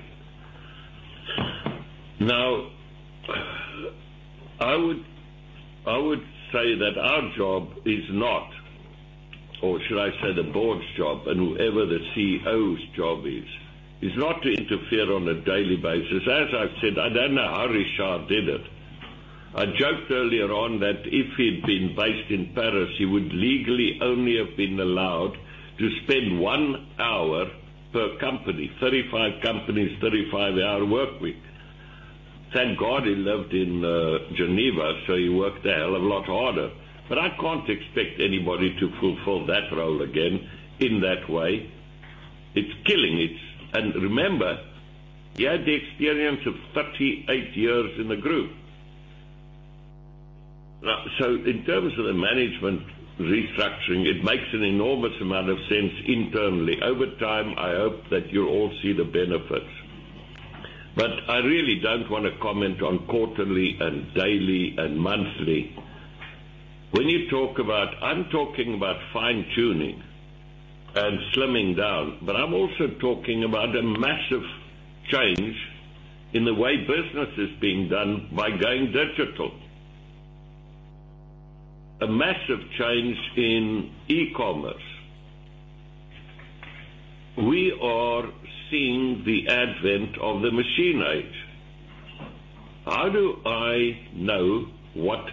I would say that our job is not, or should I say the board's job and whoever the CEO's job is not to interfere on a daily basis. As I've said, I don't know how Richard Lepeu did it. I joked earlier on that if he'd been based in Paris, he would legally only have been allowed to spend one hour per company. 35 companies, 35-hour workweek. Thank God he lived in Geneva, so he worked a hell of a lot harder. I can't expect anybody to fulfill that role again in that way. It's killing it. Remember, he had the experience of 38 years in the group. In terms of the management restructuring, it makes an enormous amount of sense internally. Over time, I hope that you'll all see the benefits. I really don't want to comment on quarterly and daily and monthly. I'm talking about fine-tuning and slimming down. I'm also talking about a massive change in the way business is being done by going digital. A massive change in e-commerce. We are seeing the advent of the machine age. How do I know what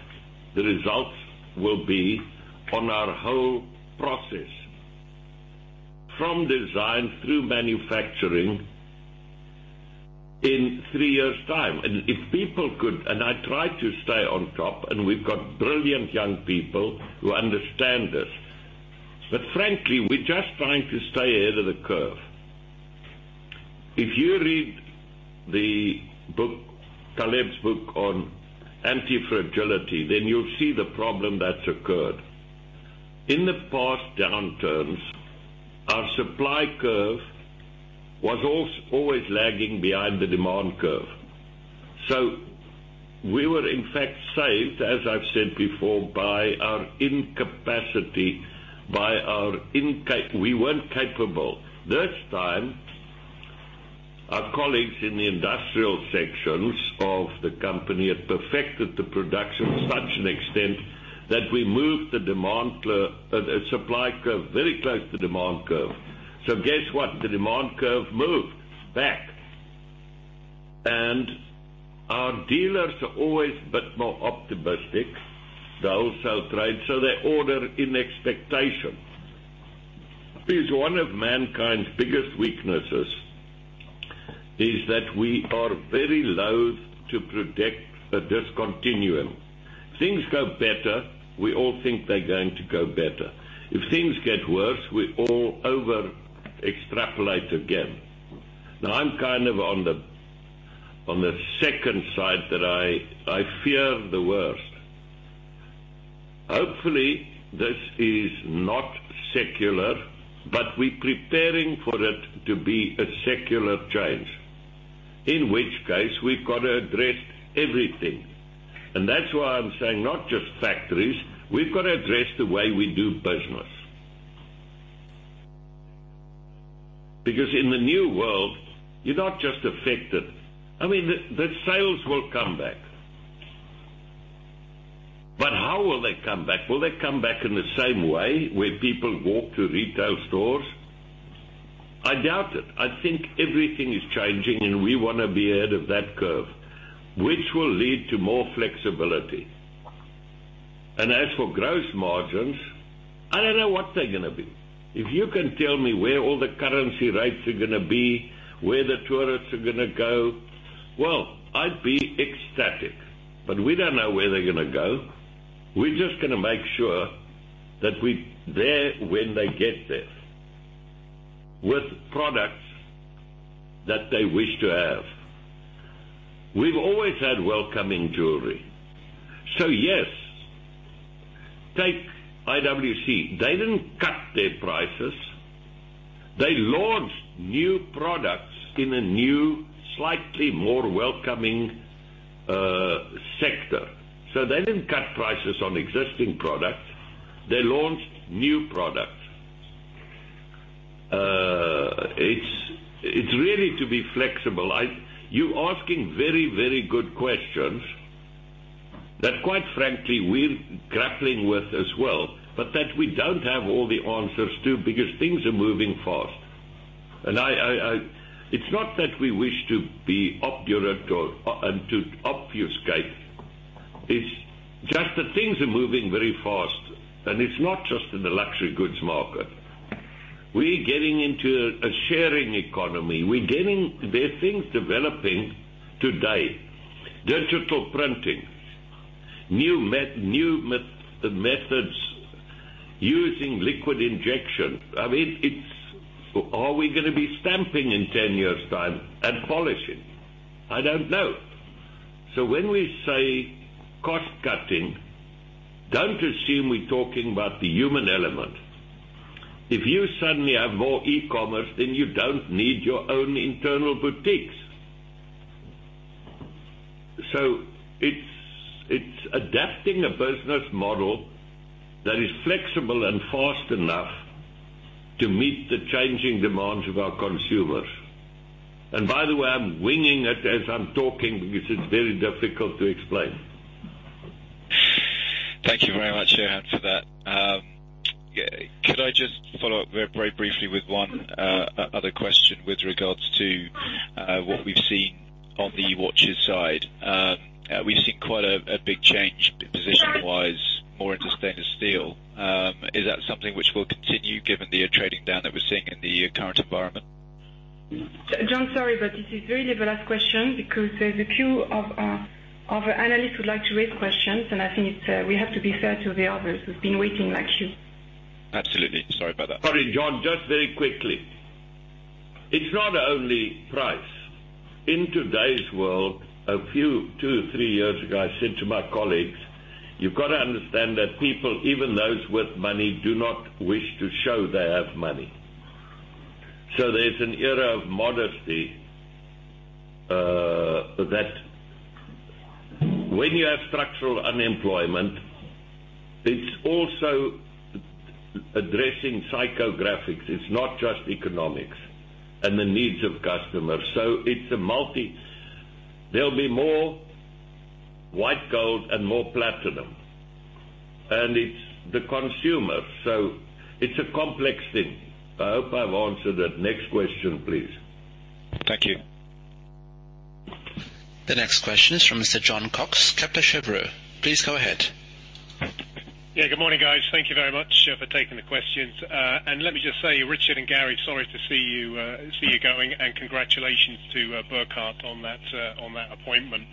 the results will be on our whole process from design through manufacturing in three years' time? I try to stay on top, and we've got brilliant young people who understand this. Frankly, we're just trying to stay ahead of the curve. If you read Taleb's book on antifragility, you'll see the problem that's occurred. In the past downturns, our supply curve was always lagging behind the demand curve. We were, in fact, saved, as I've said before, by our incapacity. We weren't capable. This time, our colleagues in the industrial sections of the company had perfected the production to such an extent that we moved the supply curve very close to demand curve. Guess what? The demand curve moved back. Our dealers are always a bit more optimistic, the wholesale trade, so they order in expectation. It is one of mankind's biggest weaknesses is that we are very loath to predict a discontinuum. Things go better, we all think they're going to go better. If things get worse, we all over extrapolate again. I'm on the second side that I fear the worst. Hopefully, this is not secular, but we're preparing for it to be a secular change. We've got to address everything. That's why I'm saying not just factories. We've got to address the way we do business. In the new world, you're not just affected. The sales will come back. How will they come back? Will they come back in the same way where people walk to retail stores? I doubt it. I think everything is changing, and we want to be ahead of that curve, which will lead to more flexibility. As for gross margins, I don't know what they're going to be. If you can tell me where all the currency rates are going to be, where the tourists are going to go, well, I'd be ecstatic. We don't know where they're going to go. We're just going to make sure that we're there when they get there with products that they wish to have. We've always had welcoming jewelry. Yes. Take IWC. They didn't cut their prices. They launched new products in a new, slightly more welcoming sector. They didn't cut prices on existing products. They launched new products. It's really to be flexible. You're asking very good questions that, quite frankly, we're grappling with as well, but that we don't have all the answers to because things are moving fast. It's not that we wish to be obdurate or to obfuscate. It's just that things are moving very fast, and it's not just in the luxury goods market. We're getting into a sharing economy. There are things developing today, digital printing, new methods, using liquid injection. Are we going to be stamping in 10 years' time and polishing? I don't know. When we say cost-cutting, don't assume we're talking about the human element. If you suddenly have more e-commerce, then you don't need your own internal boutiques. It's adapting a business model that is flexible and fast enough to meet the changing demands of our consumers. By the way, I'm winging it as I'm talking because it's very difficult to explain. Thank you very much, Johann, for that. Could I just follow up very briefly with one other question with regards to what we've seen on the watches side. We've seen quite a big change position-wise, more into stainless steel. Is that something which will continue given the trading down that we're seeing in the current environment? John, sorry, this is really the last question because there's a few of our analysts who would like to raise questions, I think we have to be fair to the others who've been waiting like you. Absolutely. Sorry about that. Sorry, John, just very quickly. It's not only price. In today's world, a few, two, three years ago, I said to my colleagues, "You've got to understand that people, even those with money, do not wish to show they have money." There's an era of modesty. That when you have structural unemployment, it's also addressing psychographics. It's not just economics and the needs of customers. There'll be more white gold and more platinum. It's the consumer. It's a complex thing. I hope I've answered it. Next question, please. Thank you. The next question is from Mr. Jon Cox, Kepler Cheuvreux. Please go ahead. Good morning, guys. Thank you very much for taking the questions. Let me just say, Richard and Gary, sorry to see you going, and congratulations to Burkhart on that appointment.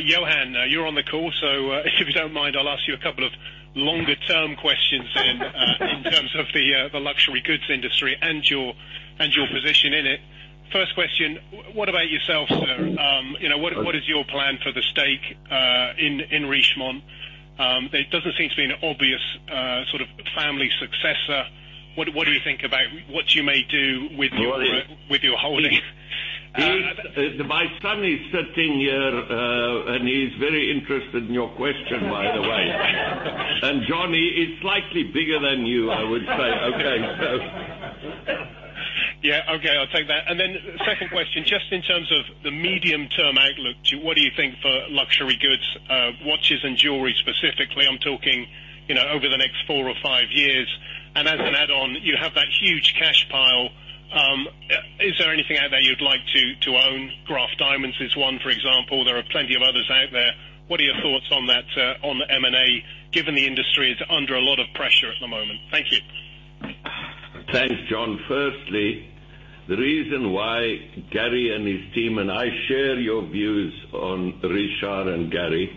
Johann, you're on the call, so if you don't mind, I'll ask you a couple of longer-term questions in terms of the luxury goods industry and your position in it. First question, what about yourself, sir? What is your plan for the stake in Richemont? There doesn't seem to be an obvious family successor. What do you think about what you may do with your holdings? My son is sitting here, and he's very interested in your question, by the way. Jon, he is slightly bigger than you, I would say. I'll take that. Second question, just in terms of the medium-term outlook, what do you think for luxury goods, watches and jewelry specifically? I'm talking over the next four or five years. As an add-on, you have that huge cash pile. Is there anything out there you'd like to own? Graff Diamonds is one, for example. There are plenty of others out there. What are your thoughts on the M&A, given the industry is under a lot of pressure at the moment? Thank you. Thanks, Jon. Firstly, the reason why Gary and his team, and I share your views on Richard and Gary.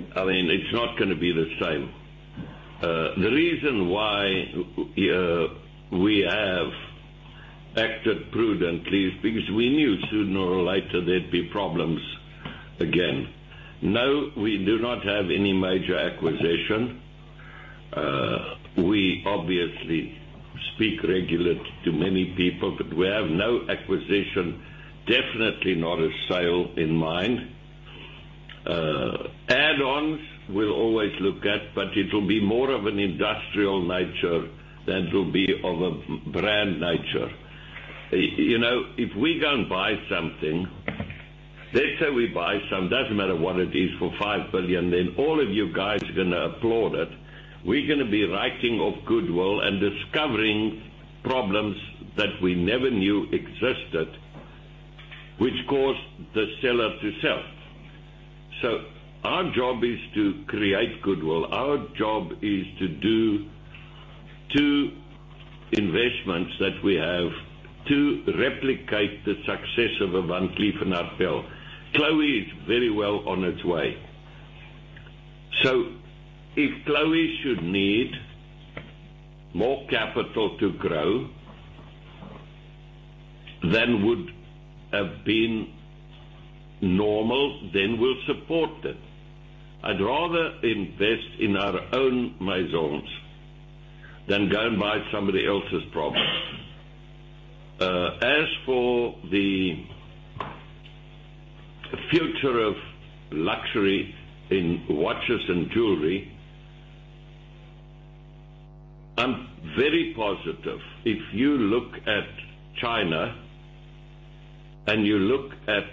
It's not going to be the same. The reason why we have acted prudently is because we knew sooner or later there'd be problems again. We do not have any major acquisition. We obviously speak regularly to many people, but we have no acquisition, definitely not a sale in mind. Add-ons, we'll always look at, but it will be more of an industrial nature than it will be of a brand nature. If we go and buy something. Let's say we buy some, doesn't matter what it is, for 5 billion, then all of you guys are going to applaud it. We're going to be writing off goodwill and discovering problems that we never knew existed, which caused the seller to sell. Our job is to create goodwill. Our job is to do two investments that we have to replicate the success of a Van Cleef & Arpels. Chloé is very well on its way. If Chloé should need more capital to grow than would have been normal, then we'll support it. I'd rather invest in our own Maisons than go and buy somebody else's problems. As for the future of luxury in watches and jewelry, I'm very positive. If you look at China and you look at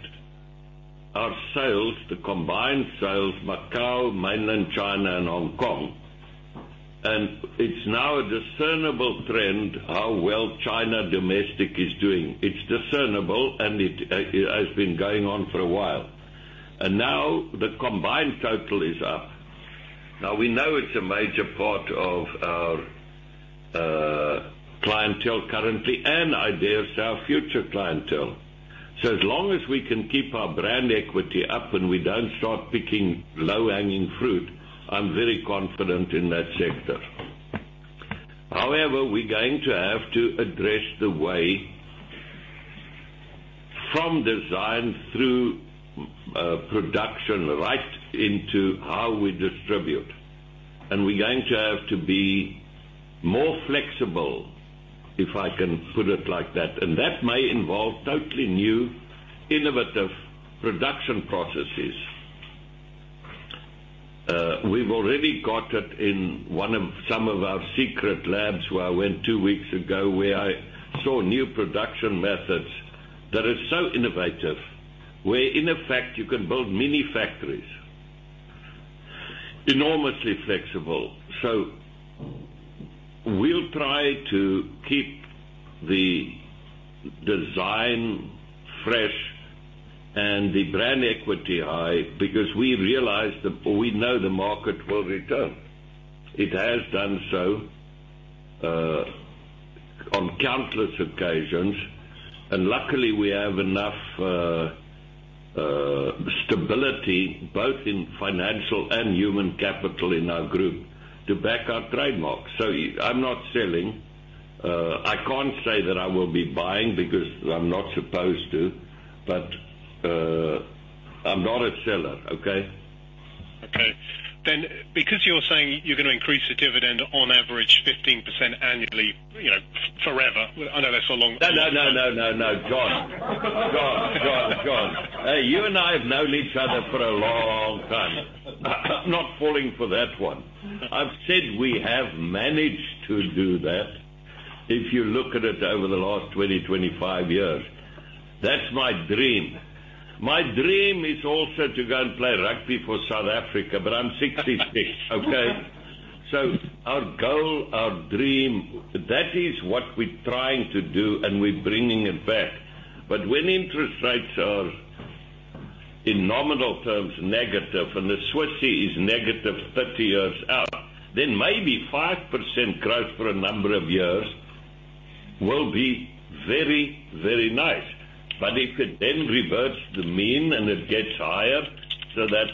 our sales, the combined sales, Macau, mainland China and Hong Kong. It's now a discernible trend how well China domestic is doing. It's discernible, and it has been going on for a while. The combined total is up. We know it's a major part of our clientele currently, and ideally, it's our future clientele. As long as we can keep our brand equity up and we don't start picking low-hanging fruit, I'm very confident in that sector. However, we're going to have to address the way from design through production, right into how we distribute. We're going to have to be more flexible, if I can put it like that. That may involve totally new, innovative production processes. We've already got it in some of our secret labs where I went two weeks ago, where I saw new production methods that are so innovative. Where in effect, you can build mini factories, enormously flexible. We'll try to keep the design fresh and the brand equity high because we know the market will return. It has done so on countless occasions, and luckily we have enough stability, both in financial and human capital in our group, to back our trademarks. I'm not selling. I can't say that I will be buying because I'm not supposed to, but I'm not a seller. Okay? Okay. Because you're saying you're going to increase the dividend on average 15% annually forever. I know that's a long- No. John. Hey, you and I have known each other for a long time. I'm not falling for that one. I've said we have managed to do that. If you look at it over the last 20, 25 years. That's my dream. My dream is also to go and play rugby for South Africa, but I'm 66, okay? Our goal, our dream, that is what we're trying to do, and we're bringing it back. When interest rates are, in nominal terms, negative, and the Swissy is negative 30 years out, then maybe 5% growth for a number of years will be very nice. If it then reverts to the mean and it gets higher, so that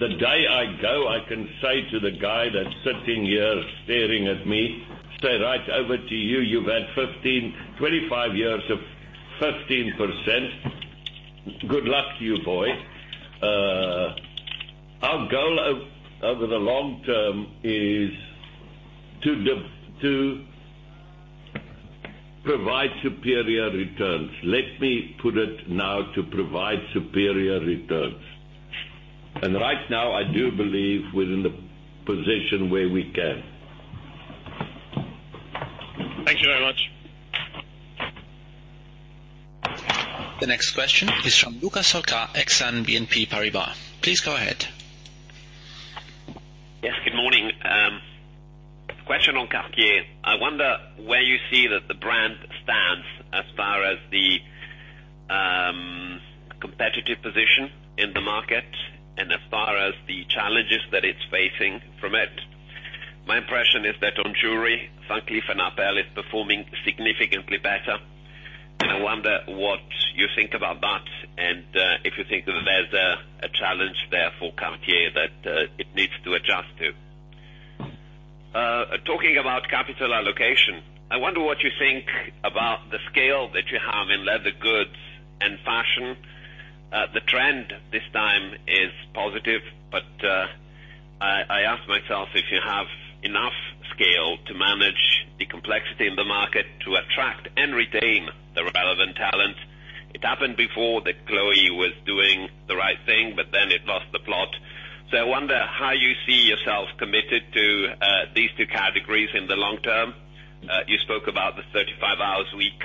the day I go, I can say to the guy that's sitting here staring at me, "Right over to you. You've had 25 years of 15%. Good luck to you, boy." Our goal over the long term is to provide superior returns. Let me put it now to provide superior returns. Right now, I do believe we're in the position where we can. Thank you very much. The next question is from Luca Solca, Exane BNP Paribas. Please go ahead. Yes, good morning. Question on Cartier. I wonder where you see that the brand stands as far as the competitive position in the market and as far as the challenges that it's facing from it. My impression is that on jewelry, Van Cleef & Arpels is performing significantly better. I wonder what you think about that and if you think that there's a challenge there for Cartier that it needs to adjust to. Talking about capital allocation, I wonder what you think about the scale that you have in leather goods and fashion. The trend this time is positive, I ask myself if you have enough scale to manage the complexity in the market to attract and retain the relevant talent. It happened before that Chloé was doing the right thing, it lost the plot. I wonder how you see yourself committed to these two categories in the long term. You spoke about the 35 hours a week,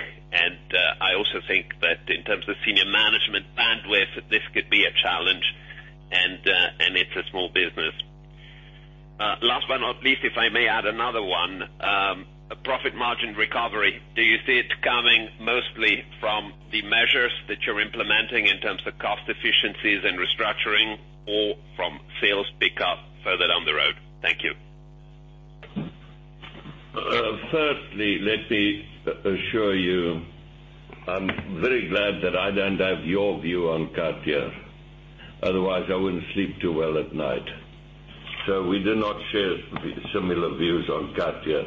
I also think that in terms of senior management bandwidth, this could be a challenge, it's a small business. Last but not least, if I may add another one. Profit margin recovery. Do you see it coming mostly from the measures that you're implementing in terms of cost efficiencies and restructuring or from sales pickup further down the road? Thank you. Firstly, let me assure you, I'm very glad that I don't have your view on Cartier. Otherwise, I wouldn't sleep too well at night. We do not share similar views on Cartier.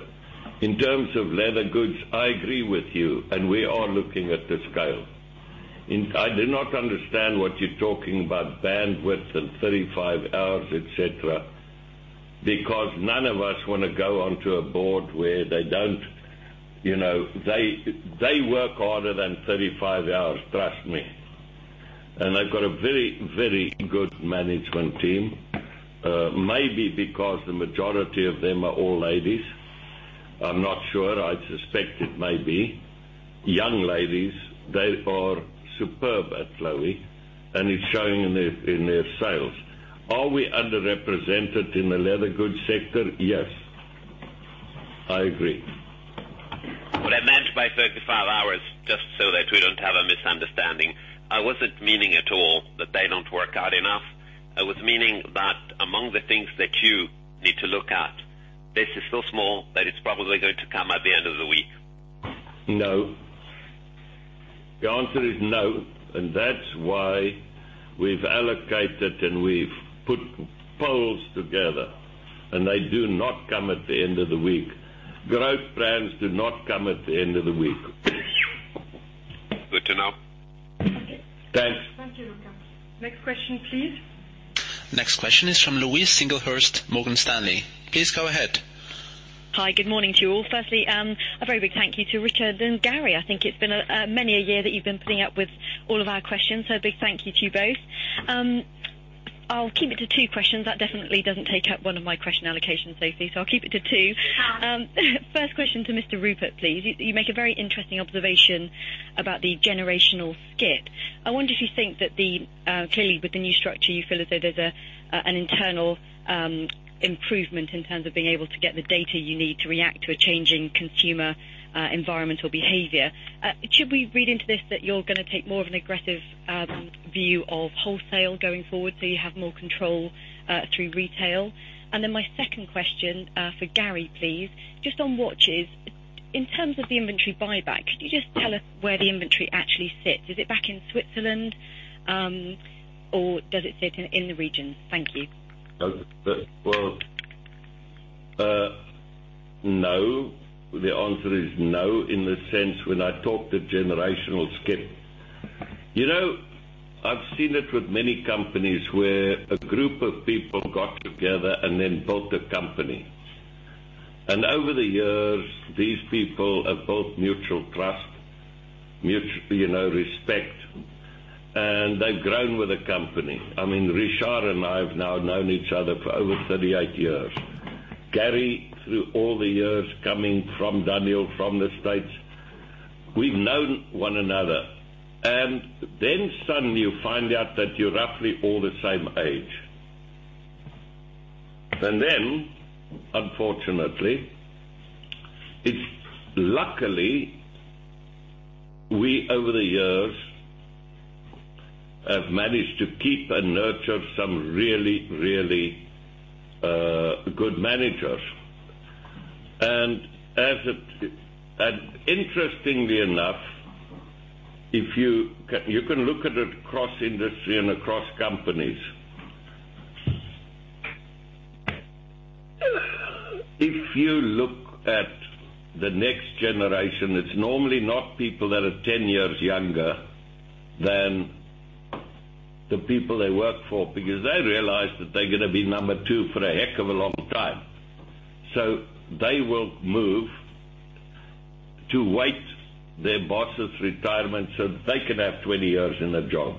In terms of leather goods, I agree with you, we are looking at the scale. I do not understand what you're talking about bandwidth and 35 hours, et cetera. None of us want to go onto a board where they work harder than 35 hours, trust me. They've got a very good management team. Maybe because the majority of them are all ladies I'm not sure. I suspect it may be. Young ladies, they are superb at Chloé, it's showing in their sales. Are we underrepresented in the leather goods sector? Yes. I agree. What I meant by 35 hours, just so that we don't have a misunderstanding, I wasn't meaning at all that they don't work hard enough. I was meaning that among the things that you need to look at, this is so small that it's probably going to come at the end of the week. No. The answer is no, that's why we've allocated and we've put pools together, and they do not come at the end of the week. Growth plans do not come at the end of the week. Good to know. Thanks. Thank you, Luca. Next question, please. Next question is from Louise Singlehurst, Morgan Stanley. Please go ahead. Hi, good morning to you all. Firstly, a very big thank you to Richard and Gary. I think it's been many a year that you've been putting up with all of our questions. A big thank you to you both. I'll keep it to two questions. That definitely doesn't take up one of my question allocations, Sophie, I'll keep it to two. First question to Mr. Rupert, please. You make a very interesting observation about the generational skip. I wonder if you think that clearly with the new structure, you feel as though there's an internal improvement in terms of being able to get the data you need to react to a changing consumer environmental behavior. Should we read into this that you're going to take more of an aggressive view of wholesale going forward, so you have more control through retail? My second question for Gary, please. Just on watches. In terms of the inventory buyback, could you just tell us where the inventory actually sits? Is it back in Switzerland, or does it sit in the regions? Thank you. No. The answer is no in the sense when I talk the generational skip. I've seen it with many companies where a group of people got together and then built a company. Over the years, these people have built mutual trust, mutual respect, and they've grown with the company. Richard and I have now known each other for over 38 years. Gary, through all the years coming from Daniel, from the U.S. We've known one another. Suddenly, you find out that you're roughly all the same age. Luckily, we over the years, have managed to keep and nurture some really, really good managers. Interestingly enough, you can look at it across industry and across companies. If you look at the next generation, it's normally not people that are 10 years younger than the people they work for, because they realize that they're going to be number two for a heck of a long time. They will move to wait their boss's retirement so they can have 20 years in a job.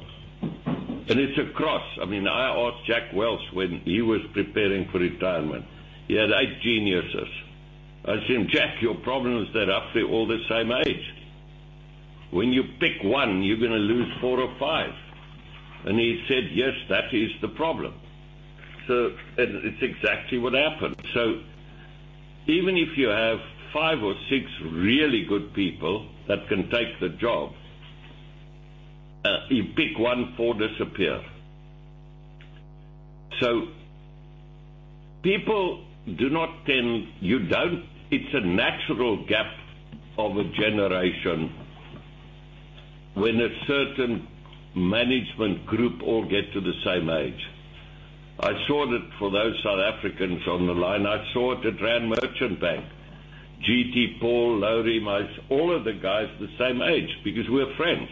It's across. I asked Jack Welch when he was preparing for retirement. He had eight geniuses. I said, "Jack, your problem is they're roughly all the same age. When you pick one, you're going to lose four or five." He said, "Yes, that is the problem." It's exactly what happened. Even if you have five or six really good people that can take the job, you pick one, four disappear. It's a natural gap of a generation when a certain management group all get to the same age. I saw that for those South Africans on the line. I saw it at Rand Merchant Bank. GT Paul, Laurie, all of the guys the same age because we're friends.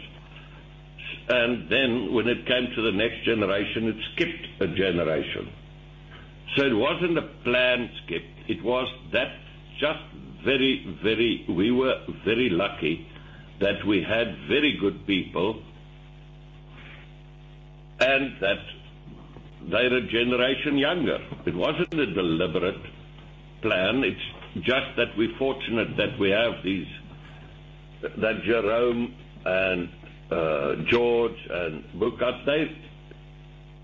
When it came to the next generation, it skipped a generation. It wasn't a planned skip. We were very lucky that we had very good people and that they're a generation younger. It wasn't a deliberate plan. It's just that we're fortunate that we have these. That Jérôme and George and Burkhart,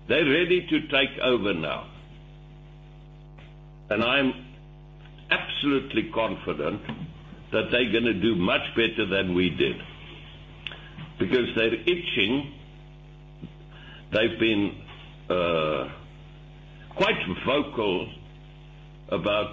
they're ready to take over now. I'm absolutely confident that they're going to do much better than we did because they're itching. They've been quite vocal about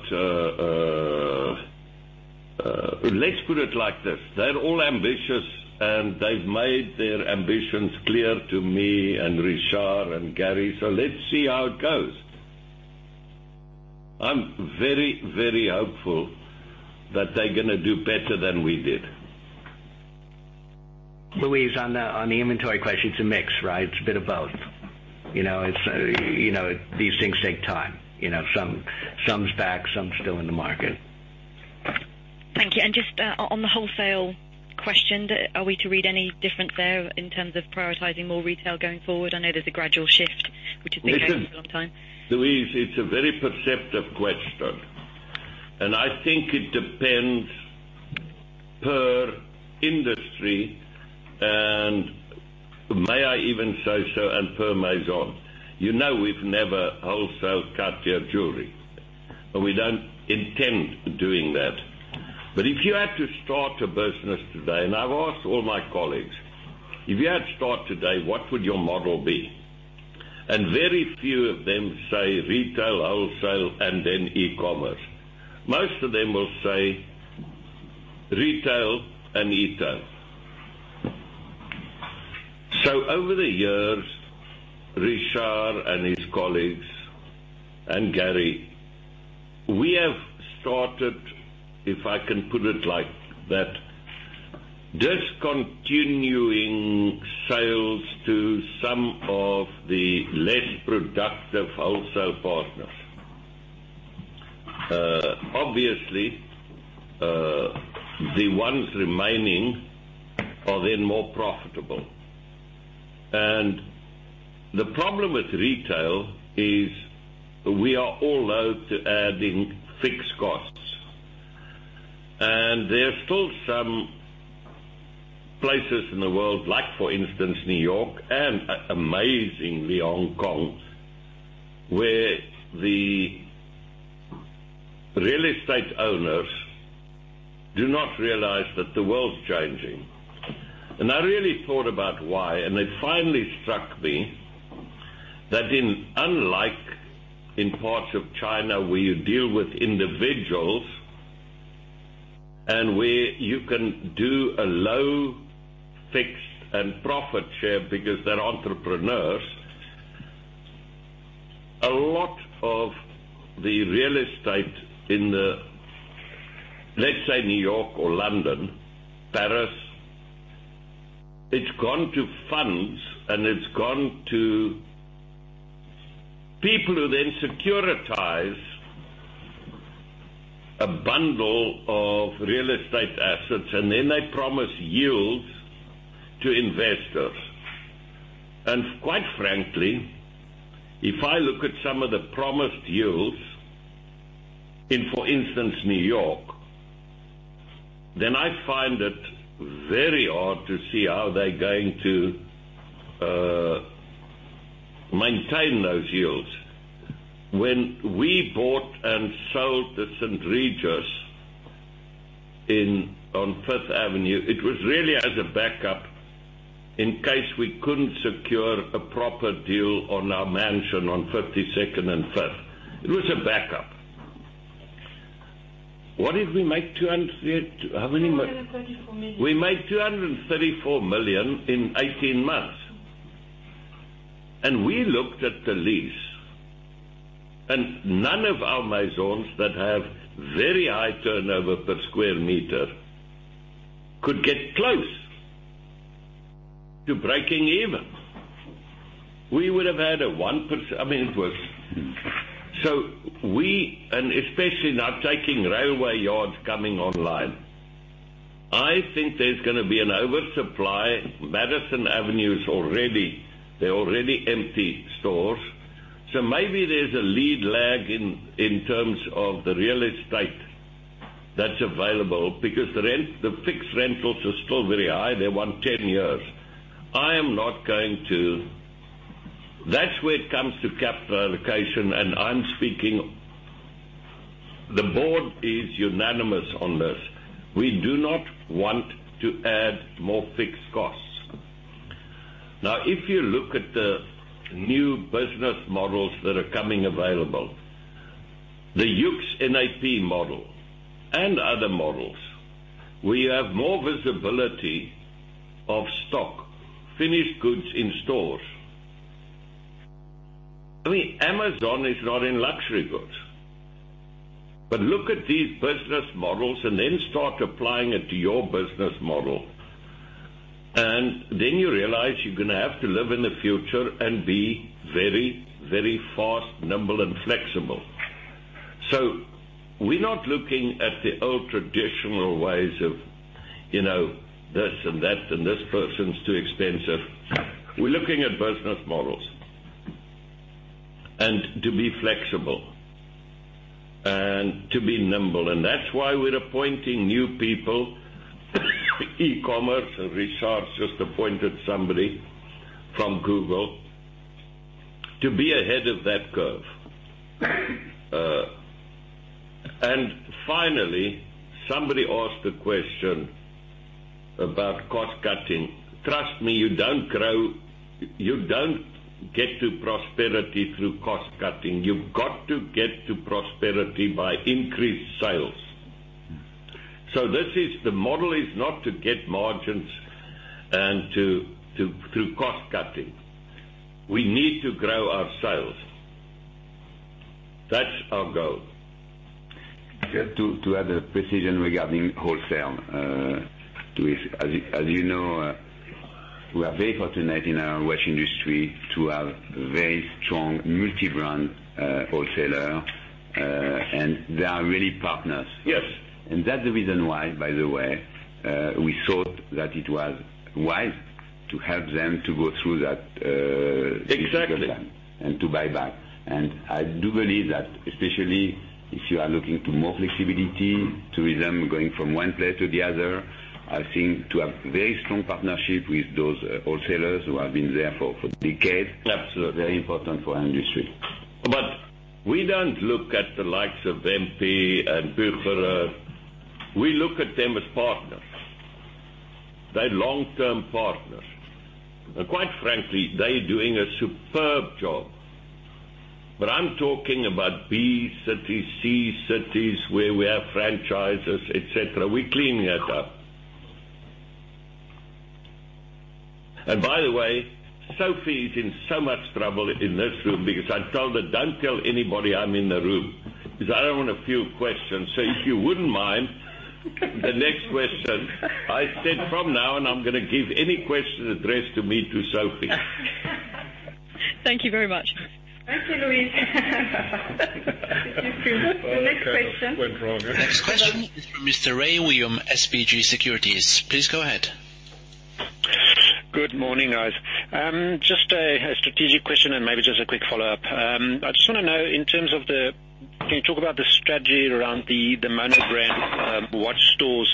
Let's put it like this. They're all ambitious, and they've made their ambitions clear to me and Richard and Gary. Let's see how it goes. I'm very, very hopeful that they're going to do better than we did. Louise, on the inventory question, it's a mix, right? It's a bit of both. These things take time. Some's back, some still in the market. Thank you. Just on the wholesale question, are we to read any difference there in terms of prioritizing more retail going forward? I know there's a gradual shift, which has been Listen- Going on for a long time. Louise, it's a very perceptive question, and I think it depends per industry and may I even say so, and per Maison. You know we've never wholesale Cartier jewelry, and we don't intend doing that. If you had to start a business today, and I've asked all my colleagues, if you had to start today, what would your model be? Very few of them say retail, wholesale, and then e-commerce. Most of them will say retail and e-tail. Over the years, Richard and his colleagues and Gary, we have started, if I can put it like that, discontinuing sales to some of the less productive wholesale partners. Obviously, the ones remaining are then more profitable. The problem with retail is we are all out to adding fixed costs. There are still some places in the world, like for instance, New York and amazingly Hong Kong, where the real estate owners do not realize that the world's changing. I really thought about why, and it finally struck me that unlike in parts of China where you deal with individuals, and where you can do a low fixed and profit share because they're entrepreneurs, a lot of the real estate in the, let's say New York or London, Paris, it's gone to funds and it's gone to people who then securitize a bundle of real estate assets, and then they promise yields to investors. Quite frankly, if I look at some of the promised yields in, for instance, New York, then I find it very hard to see how they're going to maintain those yields. When we bought and sold the St. Regis on Fifth Avenue, it was really as a backup in case we couldn't secure a proper deal on our mansion on 52nd and Fifth. It was a backup. We made 234 million. We made 234 million in 18 months. We looked at the lease, and none of our Maisons that have very high turnover per square meter could get close to breaking even. We would have had a 1%, I mean, it was. We, and especially now taking railway yards coming online. I think there's going to be an oversupply. Madison Avenue, there are already empty stores. Maybe there's a lead lag in terms of the real estate that's available because the fixed rentals are still very high. They want 10 years. That's where it comes to capital allocation, and I'm speaking. The board is unanimous on this. We do not want to add more fixed costs. Now, if you look at the new business models that are coming available. The YOOX NET-A-PORTER model and other models, we have more visibility of stock, finished goods in stores. I mean, Amazon is not in luxury goods. Look at these business models and then start applying it to your business model. Then you realize you're going to have to live in the future and be very, very fast, nimble, and flexible. We're not looking at the old traditional ways of this and that and this person's too expensive. We're looking at business models. To be flexible and to be nimble. That's why we're appointing new people, e-commerce, and Richard just appointed somebody from Google to be ahead of that curve. Finally, somebody asked a question about cost-cutting. Trust me, you don't get to prosperity through cost-cutting. You've got to get to prosperity by increased sales. The model is not to get margins through cost-cutting. We need to grow our sales. That's our goal. To add a precision regarding wholesale. Louise, as you know, we are very fortunate in our watch industry to have very strong multi-brand wholesalers, and they are really partners. Yes. That's the reason why, by the way, we thought that it was wise to help them to go through. Exactly difficult time and to buy back. I do believe that, especially if you are looking to more flexibility, tourism, going from one place to the other, I think to have very strong partnership with those wholesalers who have been there for decades. Absolutely very important for our industry. We don't look at the likes of MP and Bucherer. We look at them as partners. They're long-term partners. Quite frankly, they are doing a superb job. I'm talking about B cities, C cities where we have franchises, et cetera. We're cleaning that up. By the way, Sophie is in so much trouble in this room because I told her, "Don't tell anybody I'm in the room." Because I don't want a few questions. If you wouldn't mind, the next question, I said from now on, I'm going to give any question addressed to me to Sophie. Thank you very much. Thank you, Louise. The next question. That kind of went wrong. Next question is from Mr. Ray William, SBG Securities. Please go ahead. Good morning, guys. Just a strategic question and maybe just a quick follow-up. Can you talk about the strategy around the monogram watch stores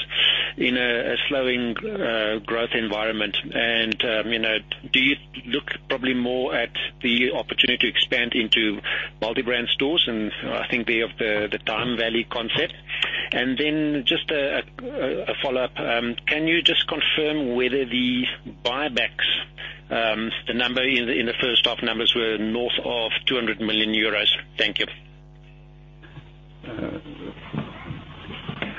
in a slowing growth environment? Do you look probably more at the opportunity to expand into multi-brand stores? I think they have the TimeVallée concept. Just a follow-up. Can you just confirm whether the buybacks, the number in the first half numbers were north of 200 million euros? Thank you.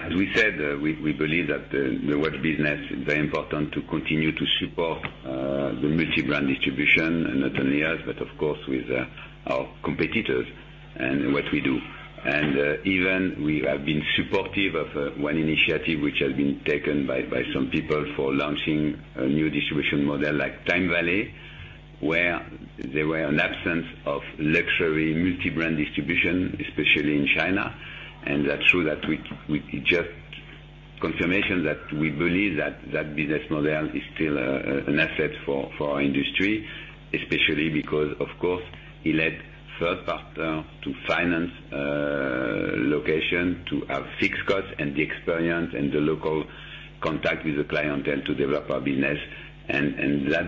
As we said, we believe that the watch business is very important to continue to support the multi-brand distribution, and not only us, but of course, with our competitors and what we do. Even we have been supportive of one initiative which has been taken by some people for launching a new distribution model like TimeVallée, where there were an absence of luxury multi-brand distribution, especially in China. That's true that it just confirmation that we believe that that business model is still an asset for our industry, especially because, of course, it led third partner to finance location to have fixed costs and the experience and the local contact with the client and to develop our business,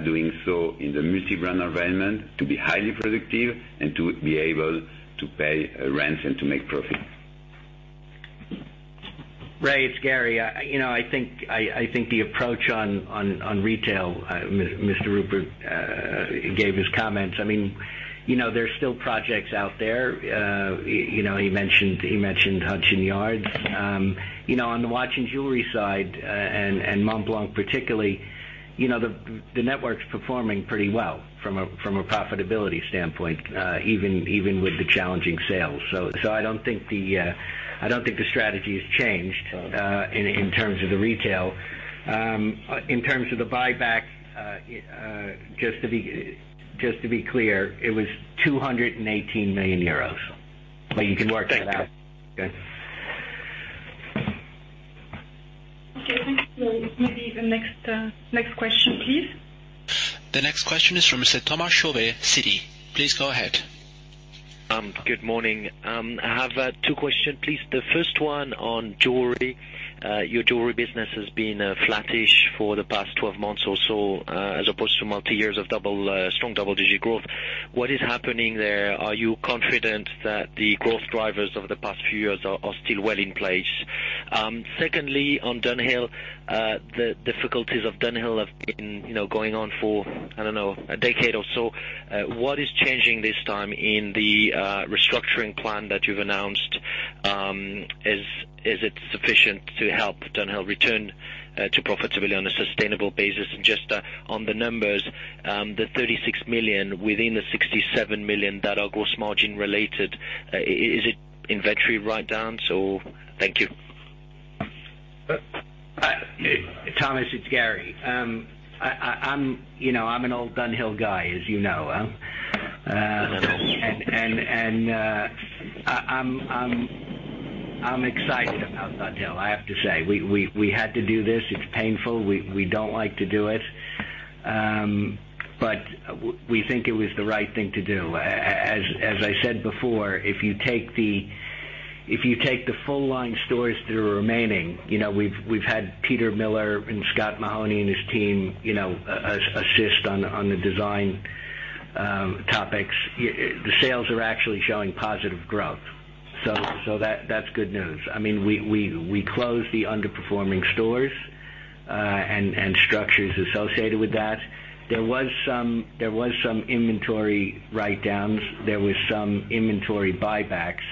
doing so in the multi-brand environment, to be highly productive and to be able to pay rents and to make profit. Ray, it's Gary. I think the approach on retail, Mr. Rupert gave his comments. There's still projects out there. He mentioned Hudson Yards. On the watch and jewelry side, and Montblanc particularly, the network's performing pretty well from a profitability standpoint, even with the challenging sales. I don't think the strategy has changed in terms of the retail. In terms of the buyback, just to be clear, it was 218 million euros. You can work that out. Thank you. Okay. Okay, thank you. Maybe the next question, please. The next question is from Mr. Thomas Chauvet, Citi. Please go ahead. Good morning. I have two questions, please. The first one on jewelry. Your jewelry business has been flattish for the past 12 months or so, as opposed to multi-years of strong double-digit growth. What is happening there? Are you confident that the growth drivers over the past few years are still well in place? Secondly, on Dunhill. The difficulties of Dunhill have been going on for, I don't know, a decade or so. What is changing this time in the restructuring plan that you've announced? Is it sufficient to help Dunhill return to profitability on a sustainable basis? Just on the numbers, the 36 million within the 67 million that are gross margin related, is it inventory write-downs or? Thank you. Thomas, it's Gary. I'm an old Dunhill guy, as you know. I know that. I'm excited about Dunhill, I have to say. We had to do this. It's painful. We don't like to do it. We think it was the right thing to do. As I said before, if you take the full-line stores that are remaining, we've had Peter Millar and Scott Mahoney and his team assist on the design topics. The sales are actually showing positive growth. That's good news. We closed the underperforming stores, and structures associated with that. There was some inventory write downs. There was some inventory buybacks.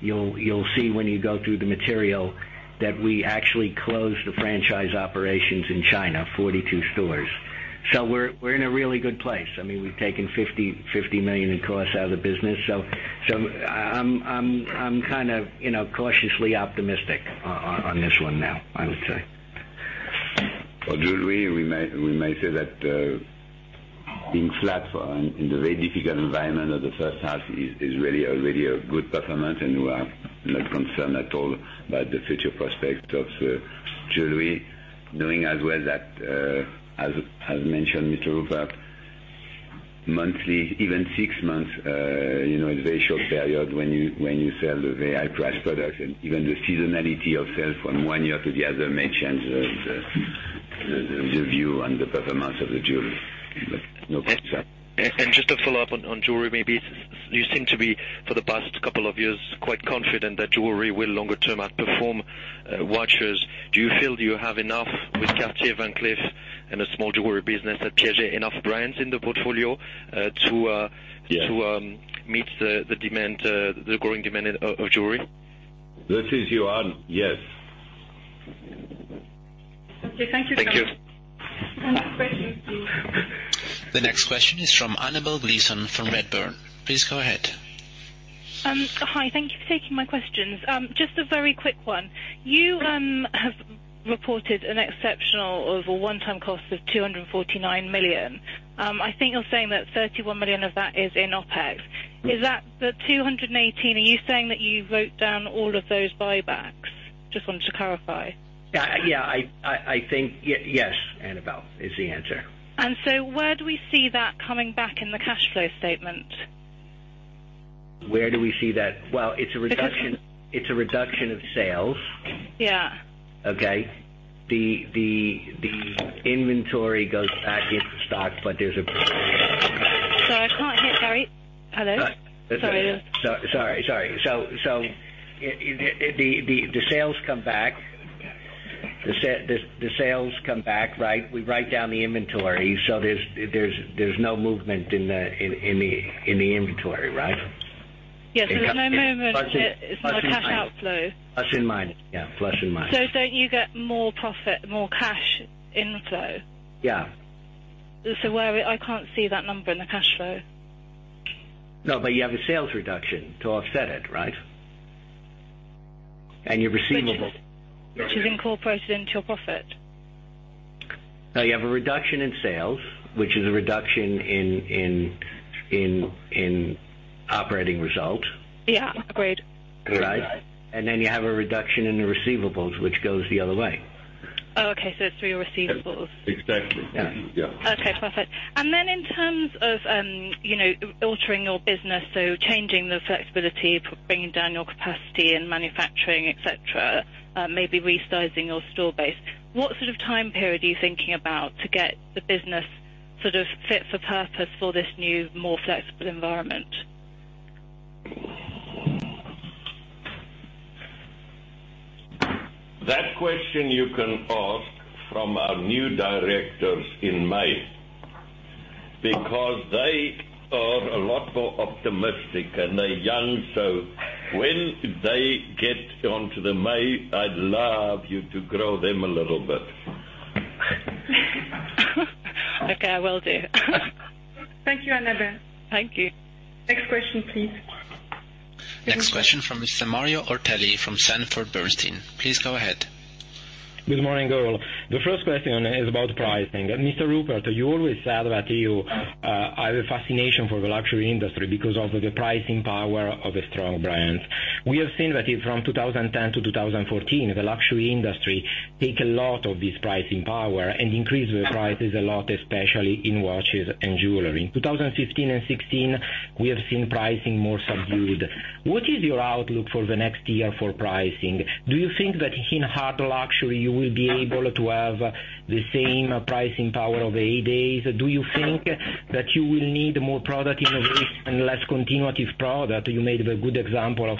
You'll see when you go through the material that we actually closed the franchise operations in China, 42 stores. We're in a really good place. We've taken 50 million in costs out of the business. I'm kind of cautiously optimistic on this one now, I would say. For jewelry, we may say that being flat in the very difficult environment of the first half is really already a good performance, we are not concerned at all about the future prospect of jewelry. Knowing as well that, as mentioned, Mr. Rupert, monthly, even 6 months, it's a very short period when you sell the very high-priced products. Even the seasonality of sales from one year to the other may change the view on the performance of the jewelry. No concern. Just to follow up on jewelry, maybe. You seem to be, for the past couple of years, quite confident that jewelry will longer term outperform watches. Do you feel you have enough with Cartier, Van Cleef, and the small jewelry business at Piaget, enough brands in the portfolio. Yes. -meet the growing demand of jewelry? This is Johann. Yes. Okay, thank you so much. Thank you. Next question, please. The next question is from Annabel Gleeson from Redburn. Please go ahead. Hi. Thank you for taking my questions. Just a very quick one. You have reported an exceptional or one-time cost of 249 million. I think you're saying that 31 million of that is in OpEx. Is that the 218? Are you saying that you wrote down all of those buybacks? Just wanted to clarify. Yeah. I think yes, Annabel, is the answer. Where do we see that coming back in the cash flow statement? Where do we see that? It's a reduction of sales. Yeah. Okay? The inventory goes back into stock. Sorry, I can't hear very Hello? Sorry. Sorry. The sales come back. The sales come back. We write down the inventory. There's no movement in the inventory, right? Yes. There's no movement. It's not a cash outflow. Plus and minus. Yeah. Plus and minus. Don't you get more profit, more cash inflow? Yeah. Where I can't see that number in the cash flow. You have a sales reduction to offset it, right? Your receivables. Which is incorporated into your profit. You have a reduction in sales, which is a reduction in operating result. Yeah. Agreed. Right. You have a reduction in the receivables, which goes the other way. Oh, okay. It's through your receivables. Exactly. Yeah. Then in terms of altering your business, so changing the flexibility, bringing down your capacity and manufacturing, et cetera, maybe resizing your store base. What sort of time period are you thinking about to get the business sort of fit for purpose for this new, more flexible environment? That question you can ask from our new directors in May. They are a lot more optimistic, and they're young, so when they get onto the May, I'd love you to grill them a little bit. Okay, I will do. Thank you, Annabel. Thank you. Next question, please. Next question from Mr. Mario Ortelli from Sanford Bernstein. Please go ahead. Good morning, all. The first question is about pricing. Mr. Rupert, you always said that you have a fascination for the luxury industry because of the pricing power of the strong brands. We have seen that from 2010 to 2014, the luxury industry take a lot of this pricing power and increase the prices a lot, especially in watches and jewelry. In 2015 and 2016, we have seen pricing more subdued. What is your outlook for the next year for pricing? Do you think that in hard luxury you will be able to have the same pricing power as it did? Do you think that you will need more product innovation and less continuative product? You made a good example of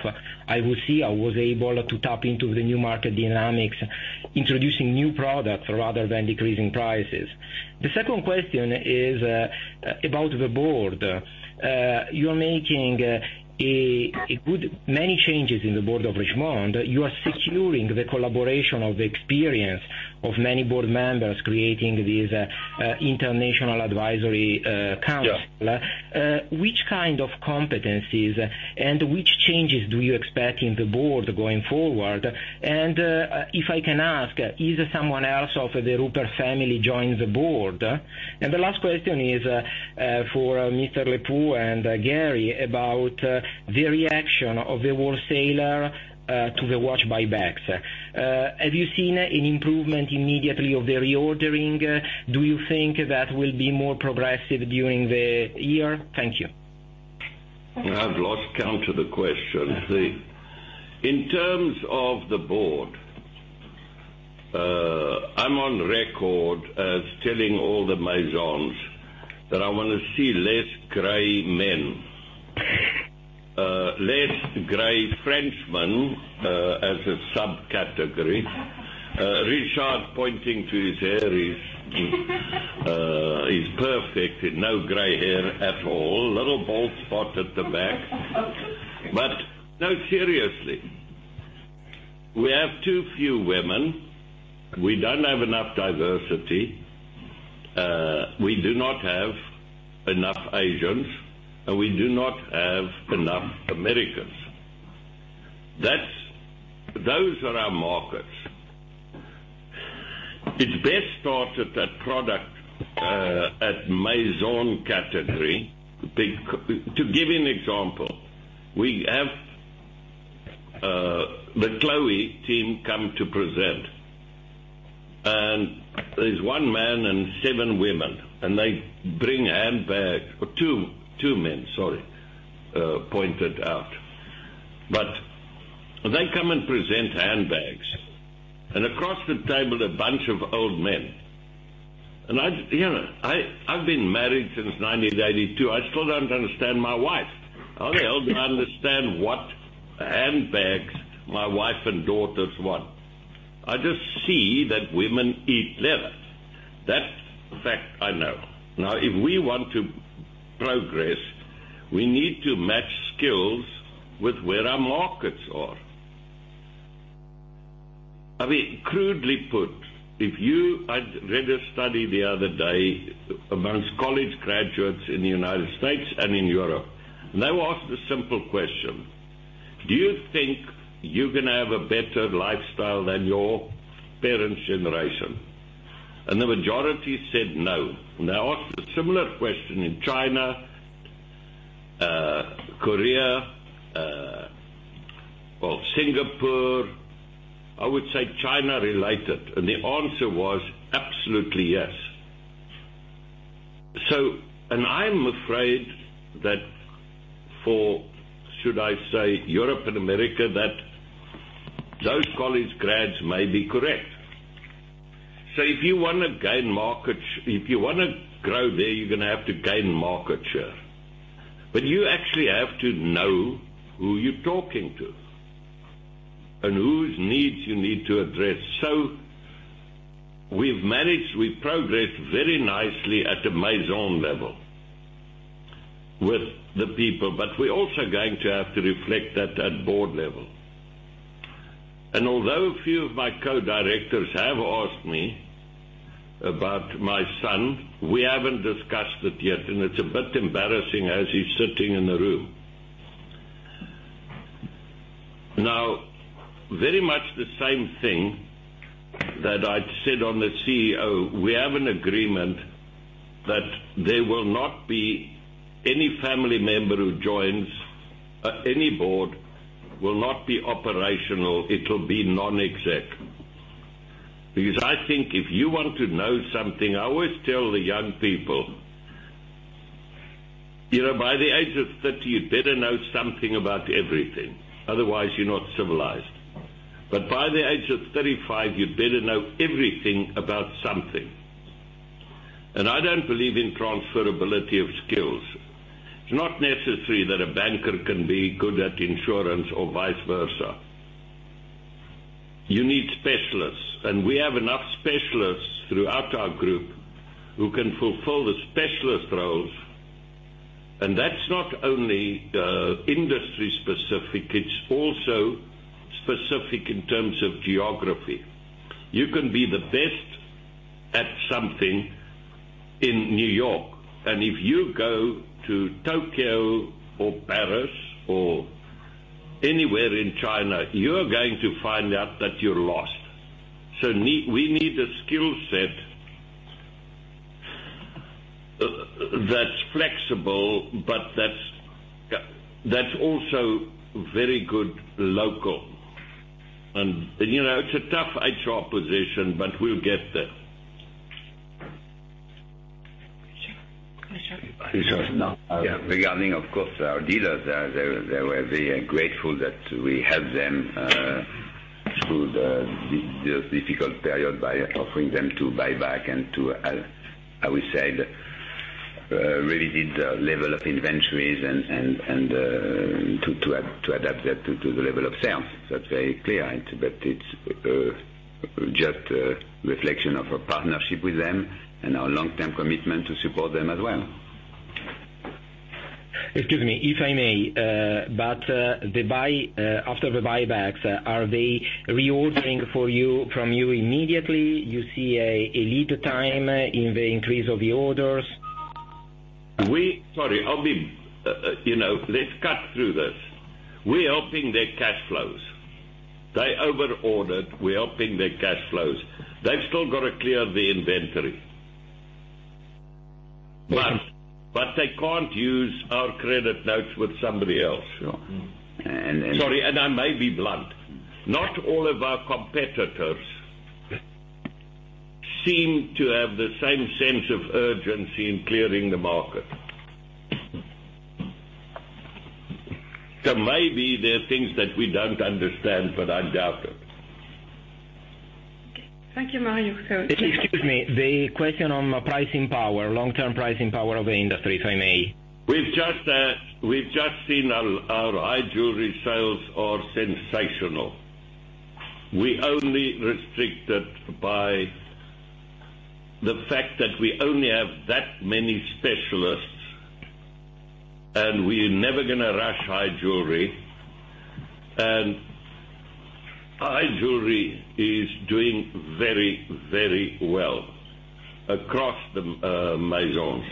IWC was able to tap into the new market dynamics, introducing new products rather than decreasing prices. The second question is about the board. You are making many changes in the board of Richemont. You are securing the collaboration of the experience of many board members, creating this International Advisory Council. Yeah. Which kind of competencies and which changes do you expect in the board going forward? If I can ask, is someone else of the Rupert family join the board? The last question is for Mr. Lepeu and Gary about the reaction of the wholesaler to the watch buybacks. Have you seen an improvement immediately of the reordering? Do you think that will be more progressive during the year? Thank you. I've lost count to the questions. In terms of the board, I'm on record as telling all the Maisons that I want to see less gray men. Less gray Frenchmen, as a subcategory. Richard pointing to his hair is perfect. No gray hair at all. Little bald spot at the back. Seriously, we have too few women. We don't have enough diversity. We do not have enough Asians, and we do not have enough Americans. Those are our markets. It best starts at that product at Maison category. To give you an example, we have the Chloé team come to present. There's one man and seven women, and they bring handbags. Two men, sorry. Point it out. They come and present handbags. Across the table, a bunch of old men. I've been married since 1982, I still don't understand my wife. How the hell do I understand what handbags my wife and daughters want? I just see that women eat leather. That's a fact I know. If we want to progress, we need to match skills with where our markets are. I mean, crudely put, I read a study the other day amongst college graduates in the U.S. and in Europe, and they were asked a simple question: Do you think you're going to have a better lifestyle than your parents' generation? The majority said no. They asked a similar question in China, Korea, well, Singapore. I would say China-related. The answer was absolutely yes. I'm afraid that for, should I say, Europe and America, that those college grads may be correct. If you want to grow there, you're going to have to gain market share. You actually have to know who you're talking to and whose needs you need to address. We've progressed very nicely at a Maison level with the people, but we're also going to have to reflect that at board level. Although a few of my co-directors have asked me about my son, we haven't discussed it yet, and it's a bit embarrassing as he's sitting in the room. Now, very much the same thing that I said on the CEO. We have an agreement that there will not be any family member who joins any board, will not be operational. It'll be non-exec. I think if you want to know something, I always tell the young people, by the age of 30, you better know something about everything. Otherwise, you're not civilized. By the age of 35, you better know everything about something. I don't believe in transferability of skills. It's not necessary that a banker can be good at insurance or vice versa. You need specialists. We have enough specialists throughout our group who can fulfill the specialist roles. That's not only industry-specific, it's also specific in terms of geography. You can be the best at something in New York, and if you go to Tokyo or Paris or anywhere in China, you are going to find out that you're lost. We need a skill set that's flexible but that's also very good local. It's a tough HR position, but we'll get there. Richard. Richard. Yeah. Regarding, of course, our dealers, they were very grateful that we helped them through this difficult period by offering them to buy back and to, how we say, really did level up inventories and to adapt that to the level of sales. That's very clear. It's just a reflection of our partnership with them and our long-term commitment to support them as well. Excuse me, if I may. After the buybacks, are they reordering from you immediately? You see a lead time in the increase of the orders? Sorry. Let's cut through this. We're helping their cash flows. They over-ordered. We're helping their cash flows. They've still got to clear the inventory. Yes. They can't use our credit notes with somebody else. Sure. Sorry, I may be blunt. Not all of our competitors seem to have the same sense of urgency in clearing the market. Maybe there are things that we don't understand, but I doubt it. Okay. Thank you, Mario. Excuse me. The question on pricing power, long-term pricing power of the industry, if I may. We've just seen our high jewelry sales are sensational. We're only restricted by the fact that we only have that many specialists, and we're never going to rush high jewelry. High jewelry is doing very well across the Maisons.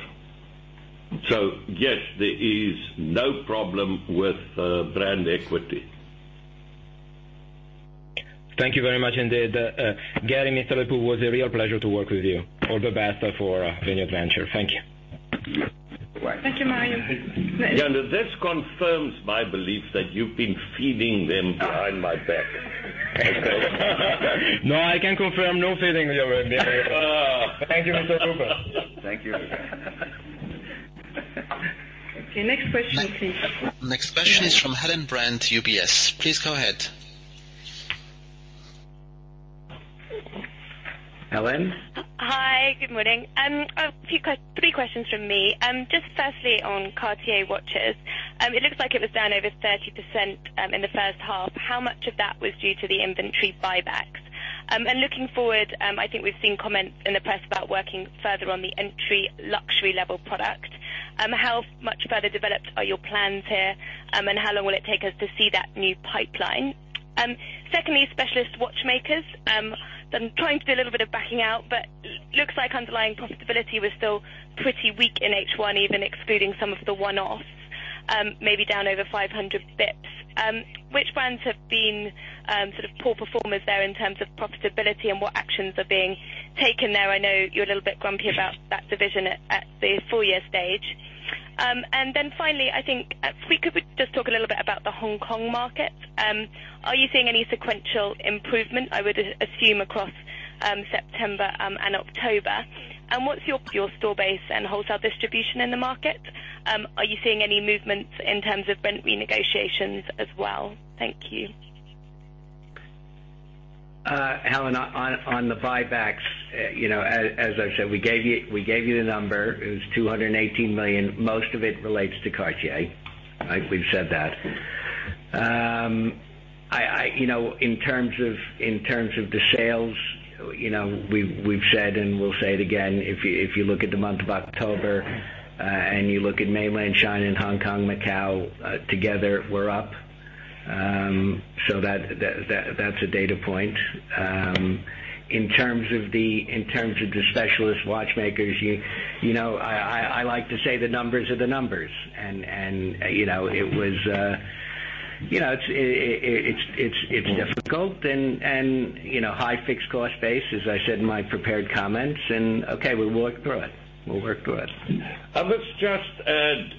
Yes, there is no problem with brand equity. Thank you very much indeed. Gary, Mr. Lepeu, was a real pleasure to work with you. All the best for your new venture. Thank you. Right. Thank you, Mario. Janda, this confirms my belief that you've been feeding them behind my back. No, I can confirm, no feeding here. Thank you, Mr. Lepeu. Thank you. Okay, next question please. Next question is from Helen Brand, UBS. Please go ahead. Helen. Hi, good morning. A few questions from me. Just firstly, on Cartier watches. It looks like it was down over 30% in the first half. How much of that was due to the inventory buybacks? Looking forward, I think we've seen comments in the press about working further on the entry luxury level product. How much further developed are your plans here, and how long will it take us to see that new pipeline? Secondly, specialist watchmakers. I'm trying to do a little bit of backing out, looks like underlying profitability was still pretty weak in H1, even excluding some of the one-offs, maybe down over 500 basis points. Which brands have been poor performers there in terms of profitability and what actions are being taken there? I know you're a little bit grumpy about that division at the four-year stage. Finally, I think if we could just talk a little bit about the Hong Kong market. Are you seeing any sequential improvement, I would assume across September and October? What's your store base and wholesale distribution in the market? Are you seeing any movements in terms of rent renegotiations as well? Thank you. Helen, on the buybacks, as I said, we gave you the number. It was 218 million. Most of it relates to Cartier. We've said that. In terms of the sales, we've said and we'll say it again, if you look at the month of October, and you look at Mainland China and Hong Kong, Macau, together, we're up. That's a data point. In terms of the specialist watchmakers, I like to say the numbers are the numbers. It's difficult and high fixed cost base, as I said in my prepared comments, and okay, we'll work through it. Let's just add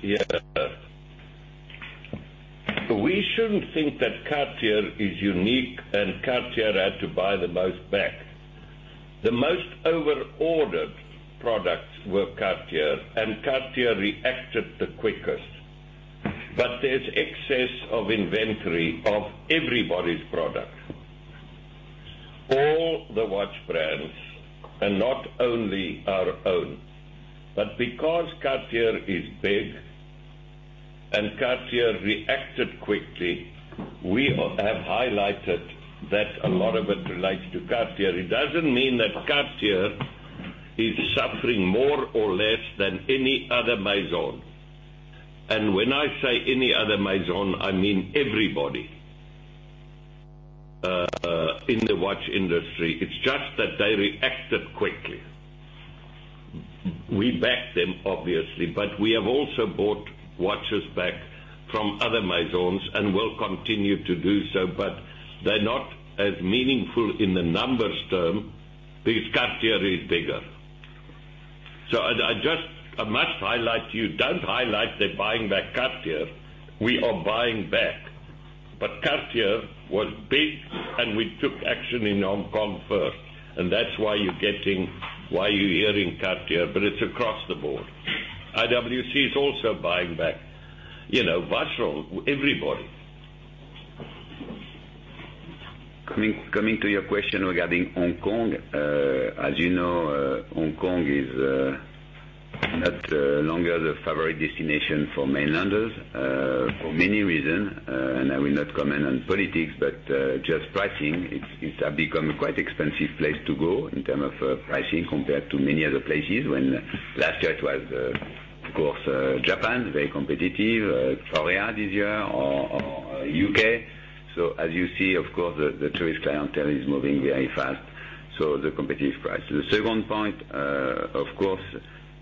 here. We shouldn't think that Cartier is unique and Cartier had to buy the most back. The most over ordered products were Cartier, and Cartier reacted the quickest. There's excess of inventory of everybody's product. All the watch brands, and not only our own. Because Cartier is big and Cartier reacted quickly, we have highlighted that a lot of it relates to Cartier. I must highlight to you, don't highlight they're buying back Cartier. We are buying back. Cartier was big and we took action in Hong Kong first. That's why you're hearing Cartier, but it's across the board. IWC is also buying back. Vacheron, everybody. Coming to your question regarding Hong Kong. As you know Hong Kong is no longer the favorite destination for mainlanders, for many reasons, and I will not comment on politics, but just pricing. It has become quite expensive place to go in terms of pricing compared to many other places. When last year it was, of course Japan, very competitive. Korea this year or U.K. As you see, of course, the tourist clientele is moving very fast. The competitive price. The second point, of course,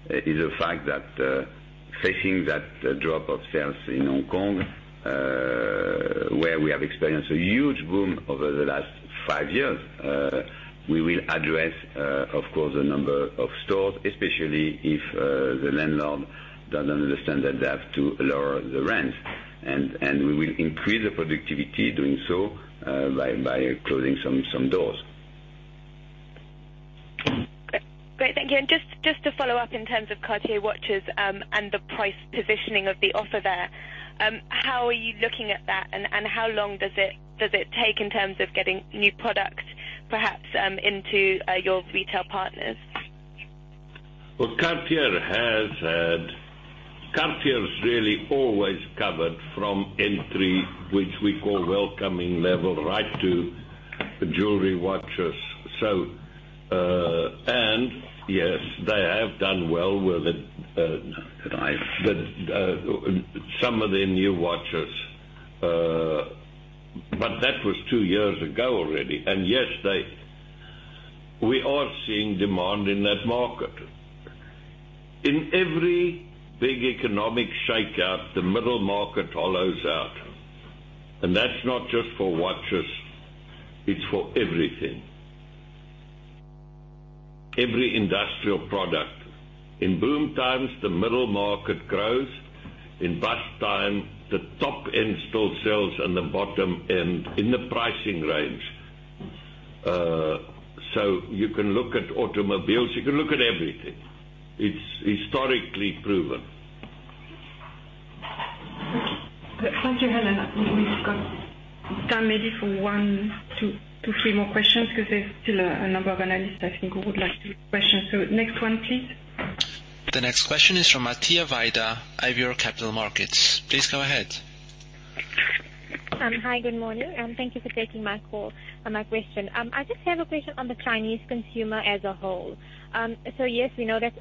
is the fact that facing that drop of sales in Hong Kong, where we have experienced a huge boom over the last five years, we will address, of course, a number of stores, especially if the landlord doesn't understand that they have to lower the rent. We will increase the productivity doing so by closing some doors. Great. Thank you. Just to follow up in terms of Cartier watches, and the price positioning of the offer there, how are you looking at that and how long does it take in terms of getting new products perhaps into your retail partners? Cartier has really always covered from entry, which we call welcoming level, right to jewelry watches. Yes, they have done well with some of their new watches. That was two years ago already. Yes, we are seeing demand in that market. In every big economic shakeout, the middle market hollows out. That's not just for watches, it's for everything. Every industrial product. In boom times, the middle market grows. In bust time, the top end still sells and the bottom end in the pricing range. You can look at automobiles, you can look at everything. It's historically proven. Thank you, Helen. I think we've got time maybe for one to three more questions because there's still a number of analysts I think who would like to ask questions. Next one, please. The next question is from Matia Vaida, IVEO Capital Markets. Please go ahead. Hi, good morning, and thank you for taking my call and my question. I just have a question on the Chinese consumer as a whole. Yes, we know that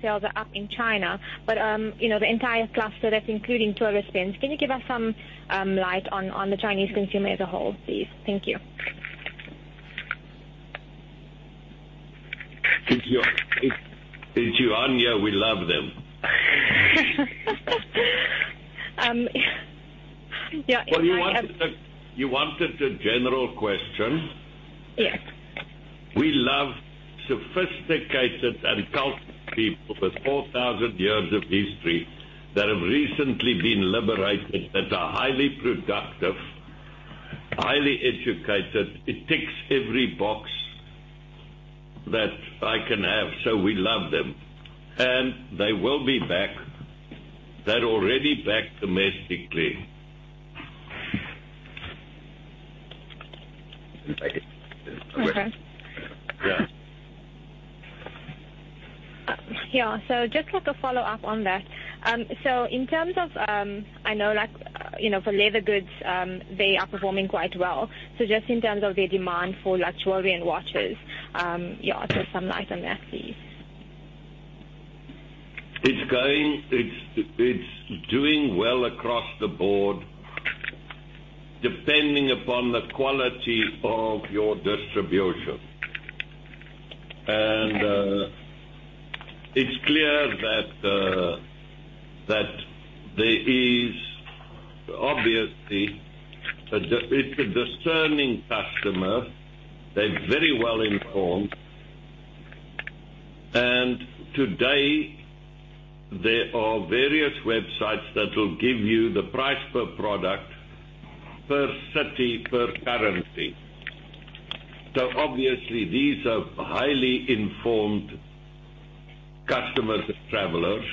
sales are up in China, but the entire cluster that's including tourist spends. Can you give us some light on the Chinese consumer as a whole, please? Thank you. It's you, And yeah. We love them. Yeah. Well, you wanted a general question. Yes. We love sophisticated and cultured people with 4,000 years of history that have recently been liberated, that are highly productive, highly educated. It ticks every box that I can have. We love them. They will be back. They're already back domestically. Okay. Yeah. Yeah. Just like a follow-up on that. In terms of, I know for leather goods, they are performing quite well. Just in terms of their demand for luxury and watches. Yeah, just some light on that, please. It's doing well across the board, depending upon the quality of your distribution. It's clear that there is obviously, it's a discerning customer. They're very well-informed. Today, there are various websites that will give you the price per product, per city, per currency. Obviously, these are highly informed customers and travelers.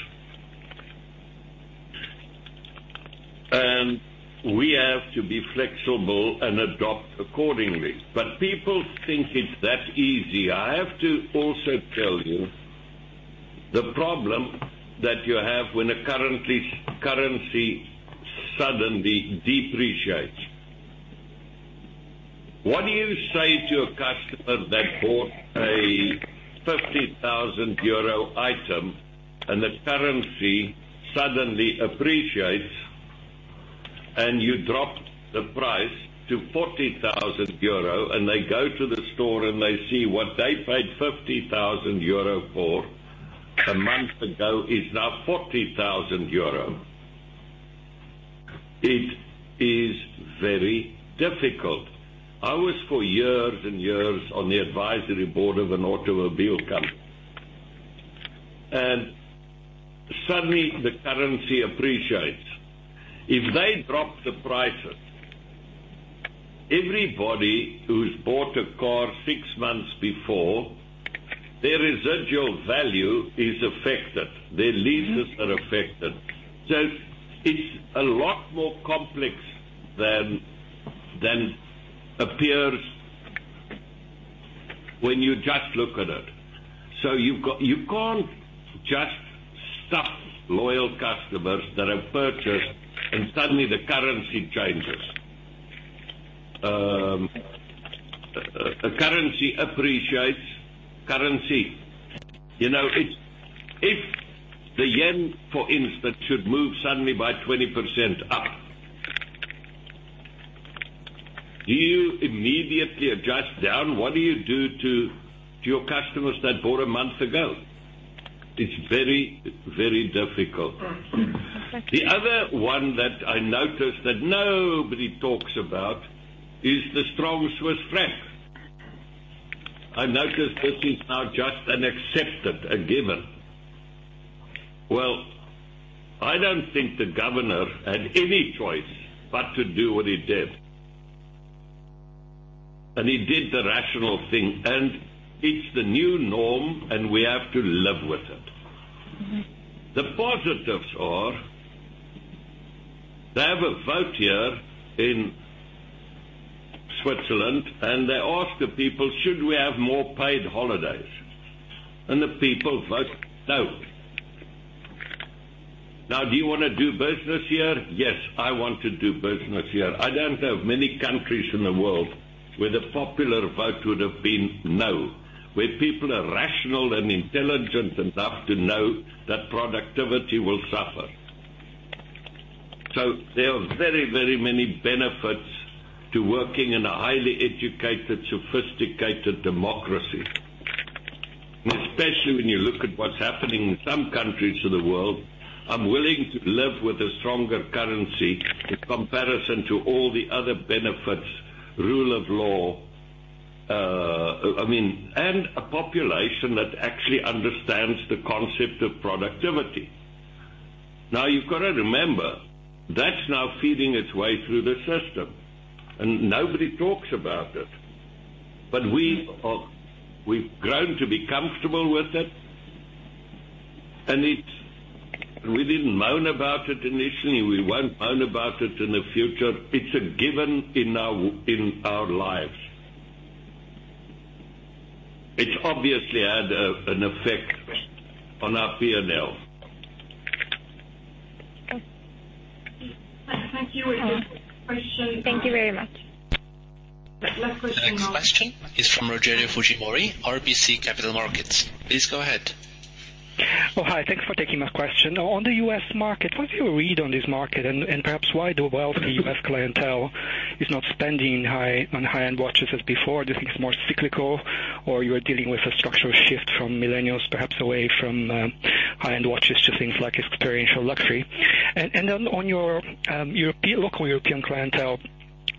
We have to be flexible and adopt accordingly. People think it's that easy. I have to also tell you the problem that you have when a currency suddenly depreciates. What do you say to a customer that bought a 50,000 euro item and the currency suddenly appreciates and you dropped the price to 40,000 euro and they go to the store and they see what they paid 50,000 euro for a month ago is now 40,000 euro? It is very difficult. I was for years and years on the advisory board of an automobile company. Suddenly the currency appreciates. If they drop the prices, everybody who's bought a car 6 months before, their residual value is affected. Their leases are affected. It's a lot more complex than appears when you just look at it. You can't just stuff loyal customers that have purchased and suddenly the currency changes. A currency appreciates. If the yen, for instance, should move suddenly by 20% up, do you immediately adjust down? What do you do to your customers that bought 1 month ago? It's very difficult. Okay. The other one that I noticed that nobody talks about is the strong Swiss franc. I noticed this is now just an accepted, a given. I don't think the governor had any choice but to do what he did. He did the rational thing, and it's the new norm and we have to live with it. The positives are, they have a vote here in Switzerland, they ask the people, "Should we have more paid holidays?" The people vote no. Do you want to do business here? Yes, I want to do business here. I don't have many countries in the world where the popular vote would have been no, where people are rational and intelligent enough to know that productivity will suffer. There are very, very many benefits to working in a highly educated, sophisticated democracy. Especially when you look at what's happening in some countries of the world, I'm willing to live with a stronger currency in comparison to all the other benefits, rule of law, and a population that actually understands the concept of productivity. You've got to remember, that's now feeding its way through the system, and nobody talks about it. We've grown to be comfortable with it, and we didn't moan about it initially, we won't moan about it in the future. It's a given in our lives. It's obviously had an effect on our P&L. Thank you. Thank you very much. Last question now. Next question is from Rogério Fujimori, RBC Capital Markets. Please go ahead. Hi. Thanks for taking my question. On the U.S. market, what's your read on this market, and perhaps why the wealthy U.S. clientele is not spending on high-end watches as before? Do you think it's more cyclical, or you are dealing with a structural shift from millennials perhaps away from high-end watches to things like experiential luxury? On your local European clientele,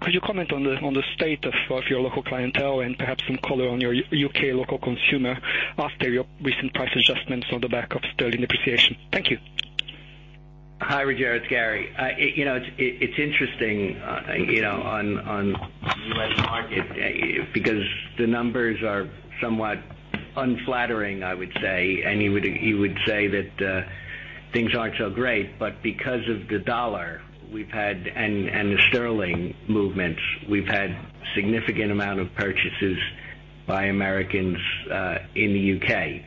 could you comment on the state of your local clientele and perhaps some color on your U.K. local consumer after your recent price adjustments on the back of GBP depreciation? Thank you. Hi, Rogério, it's Gary. It's interesting on U.S. market because the numbers are somewhat unflattering, I would say, and you would say that things aren't so great. Because of the dollar and the GBP movements, we've had significant amount of purchases by Americans in the U.K.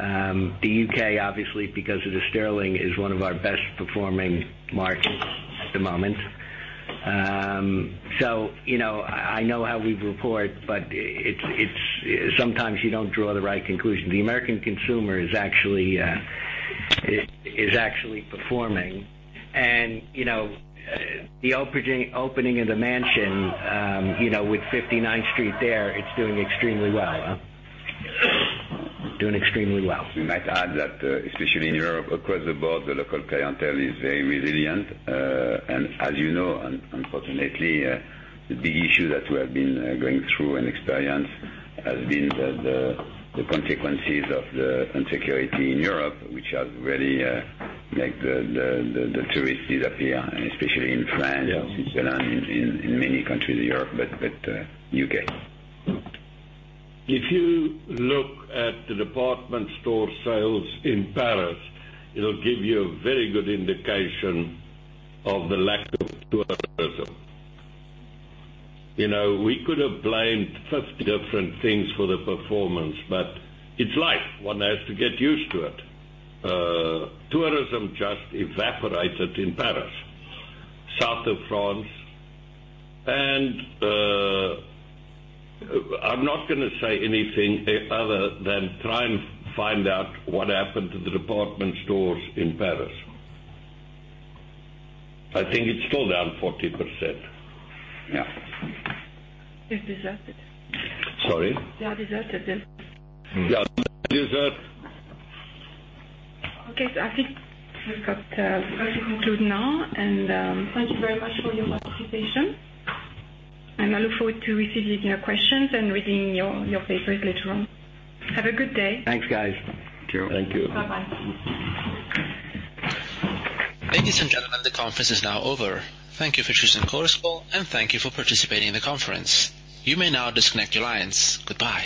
The U.K., obviously, because of the GBP, is one of our best-performing markets at the moment. I know how we report, but sometimes you don't draw the right conclusion. The American consumer is actually performing. The opening of the Mansion with 59th Street there, it's doing extremely well, huh? Doing extremely well. We might add that especially in Europe, across the board, the local clientele is very resilient. As you know, unfortunately, the big issue that we have been going through and experienced has been the consequences of the insecurity in Europe, which has really made the tourists disappear, especially in France and Switzerland, in many countries in Europe, but U.K. If you look at the department store sales in Paris, it'll give you a very good indication of the lack of tourism. We could have blamed 50 different things for the performance, but it's life. One has to get used to it. Tourism just evaporated in Paris, south of France. I'm not going to say anything other than try and find out what happened to the department stores in Paris. I think it's still down 40%. Yeah. They're deserted. Sorry? They are deserted. Yeah, deserted. Okay. I think we have to conclude now. Thank you very much for your participation. I look forward to receiving your questions and reading your papers later on. Have a good day. Thanks, guys. Cheers. Thank you. Bye-bye. Ladies and gentlemen, the conference is now over. Thank you for choosing Chorus Call, and thank you for participating in the conference. You may now disconnect your lines. Goodbye.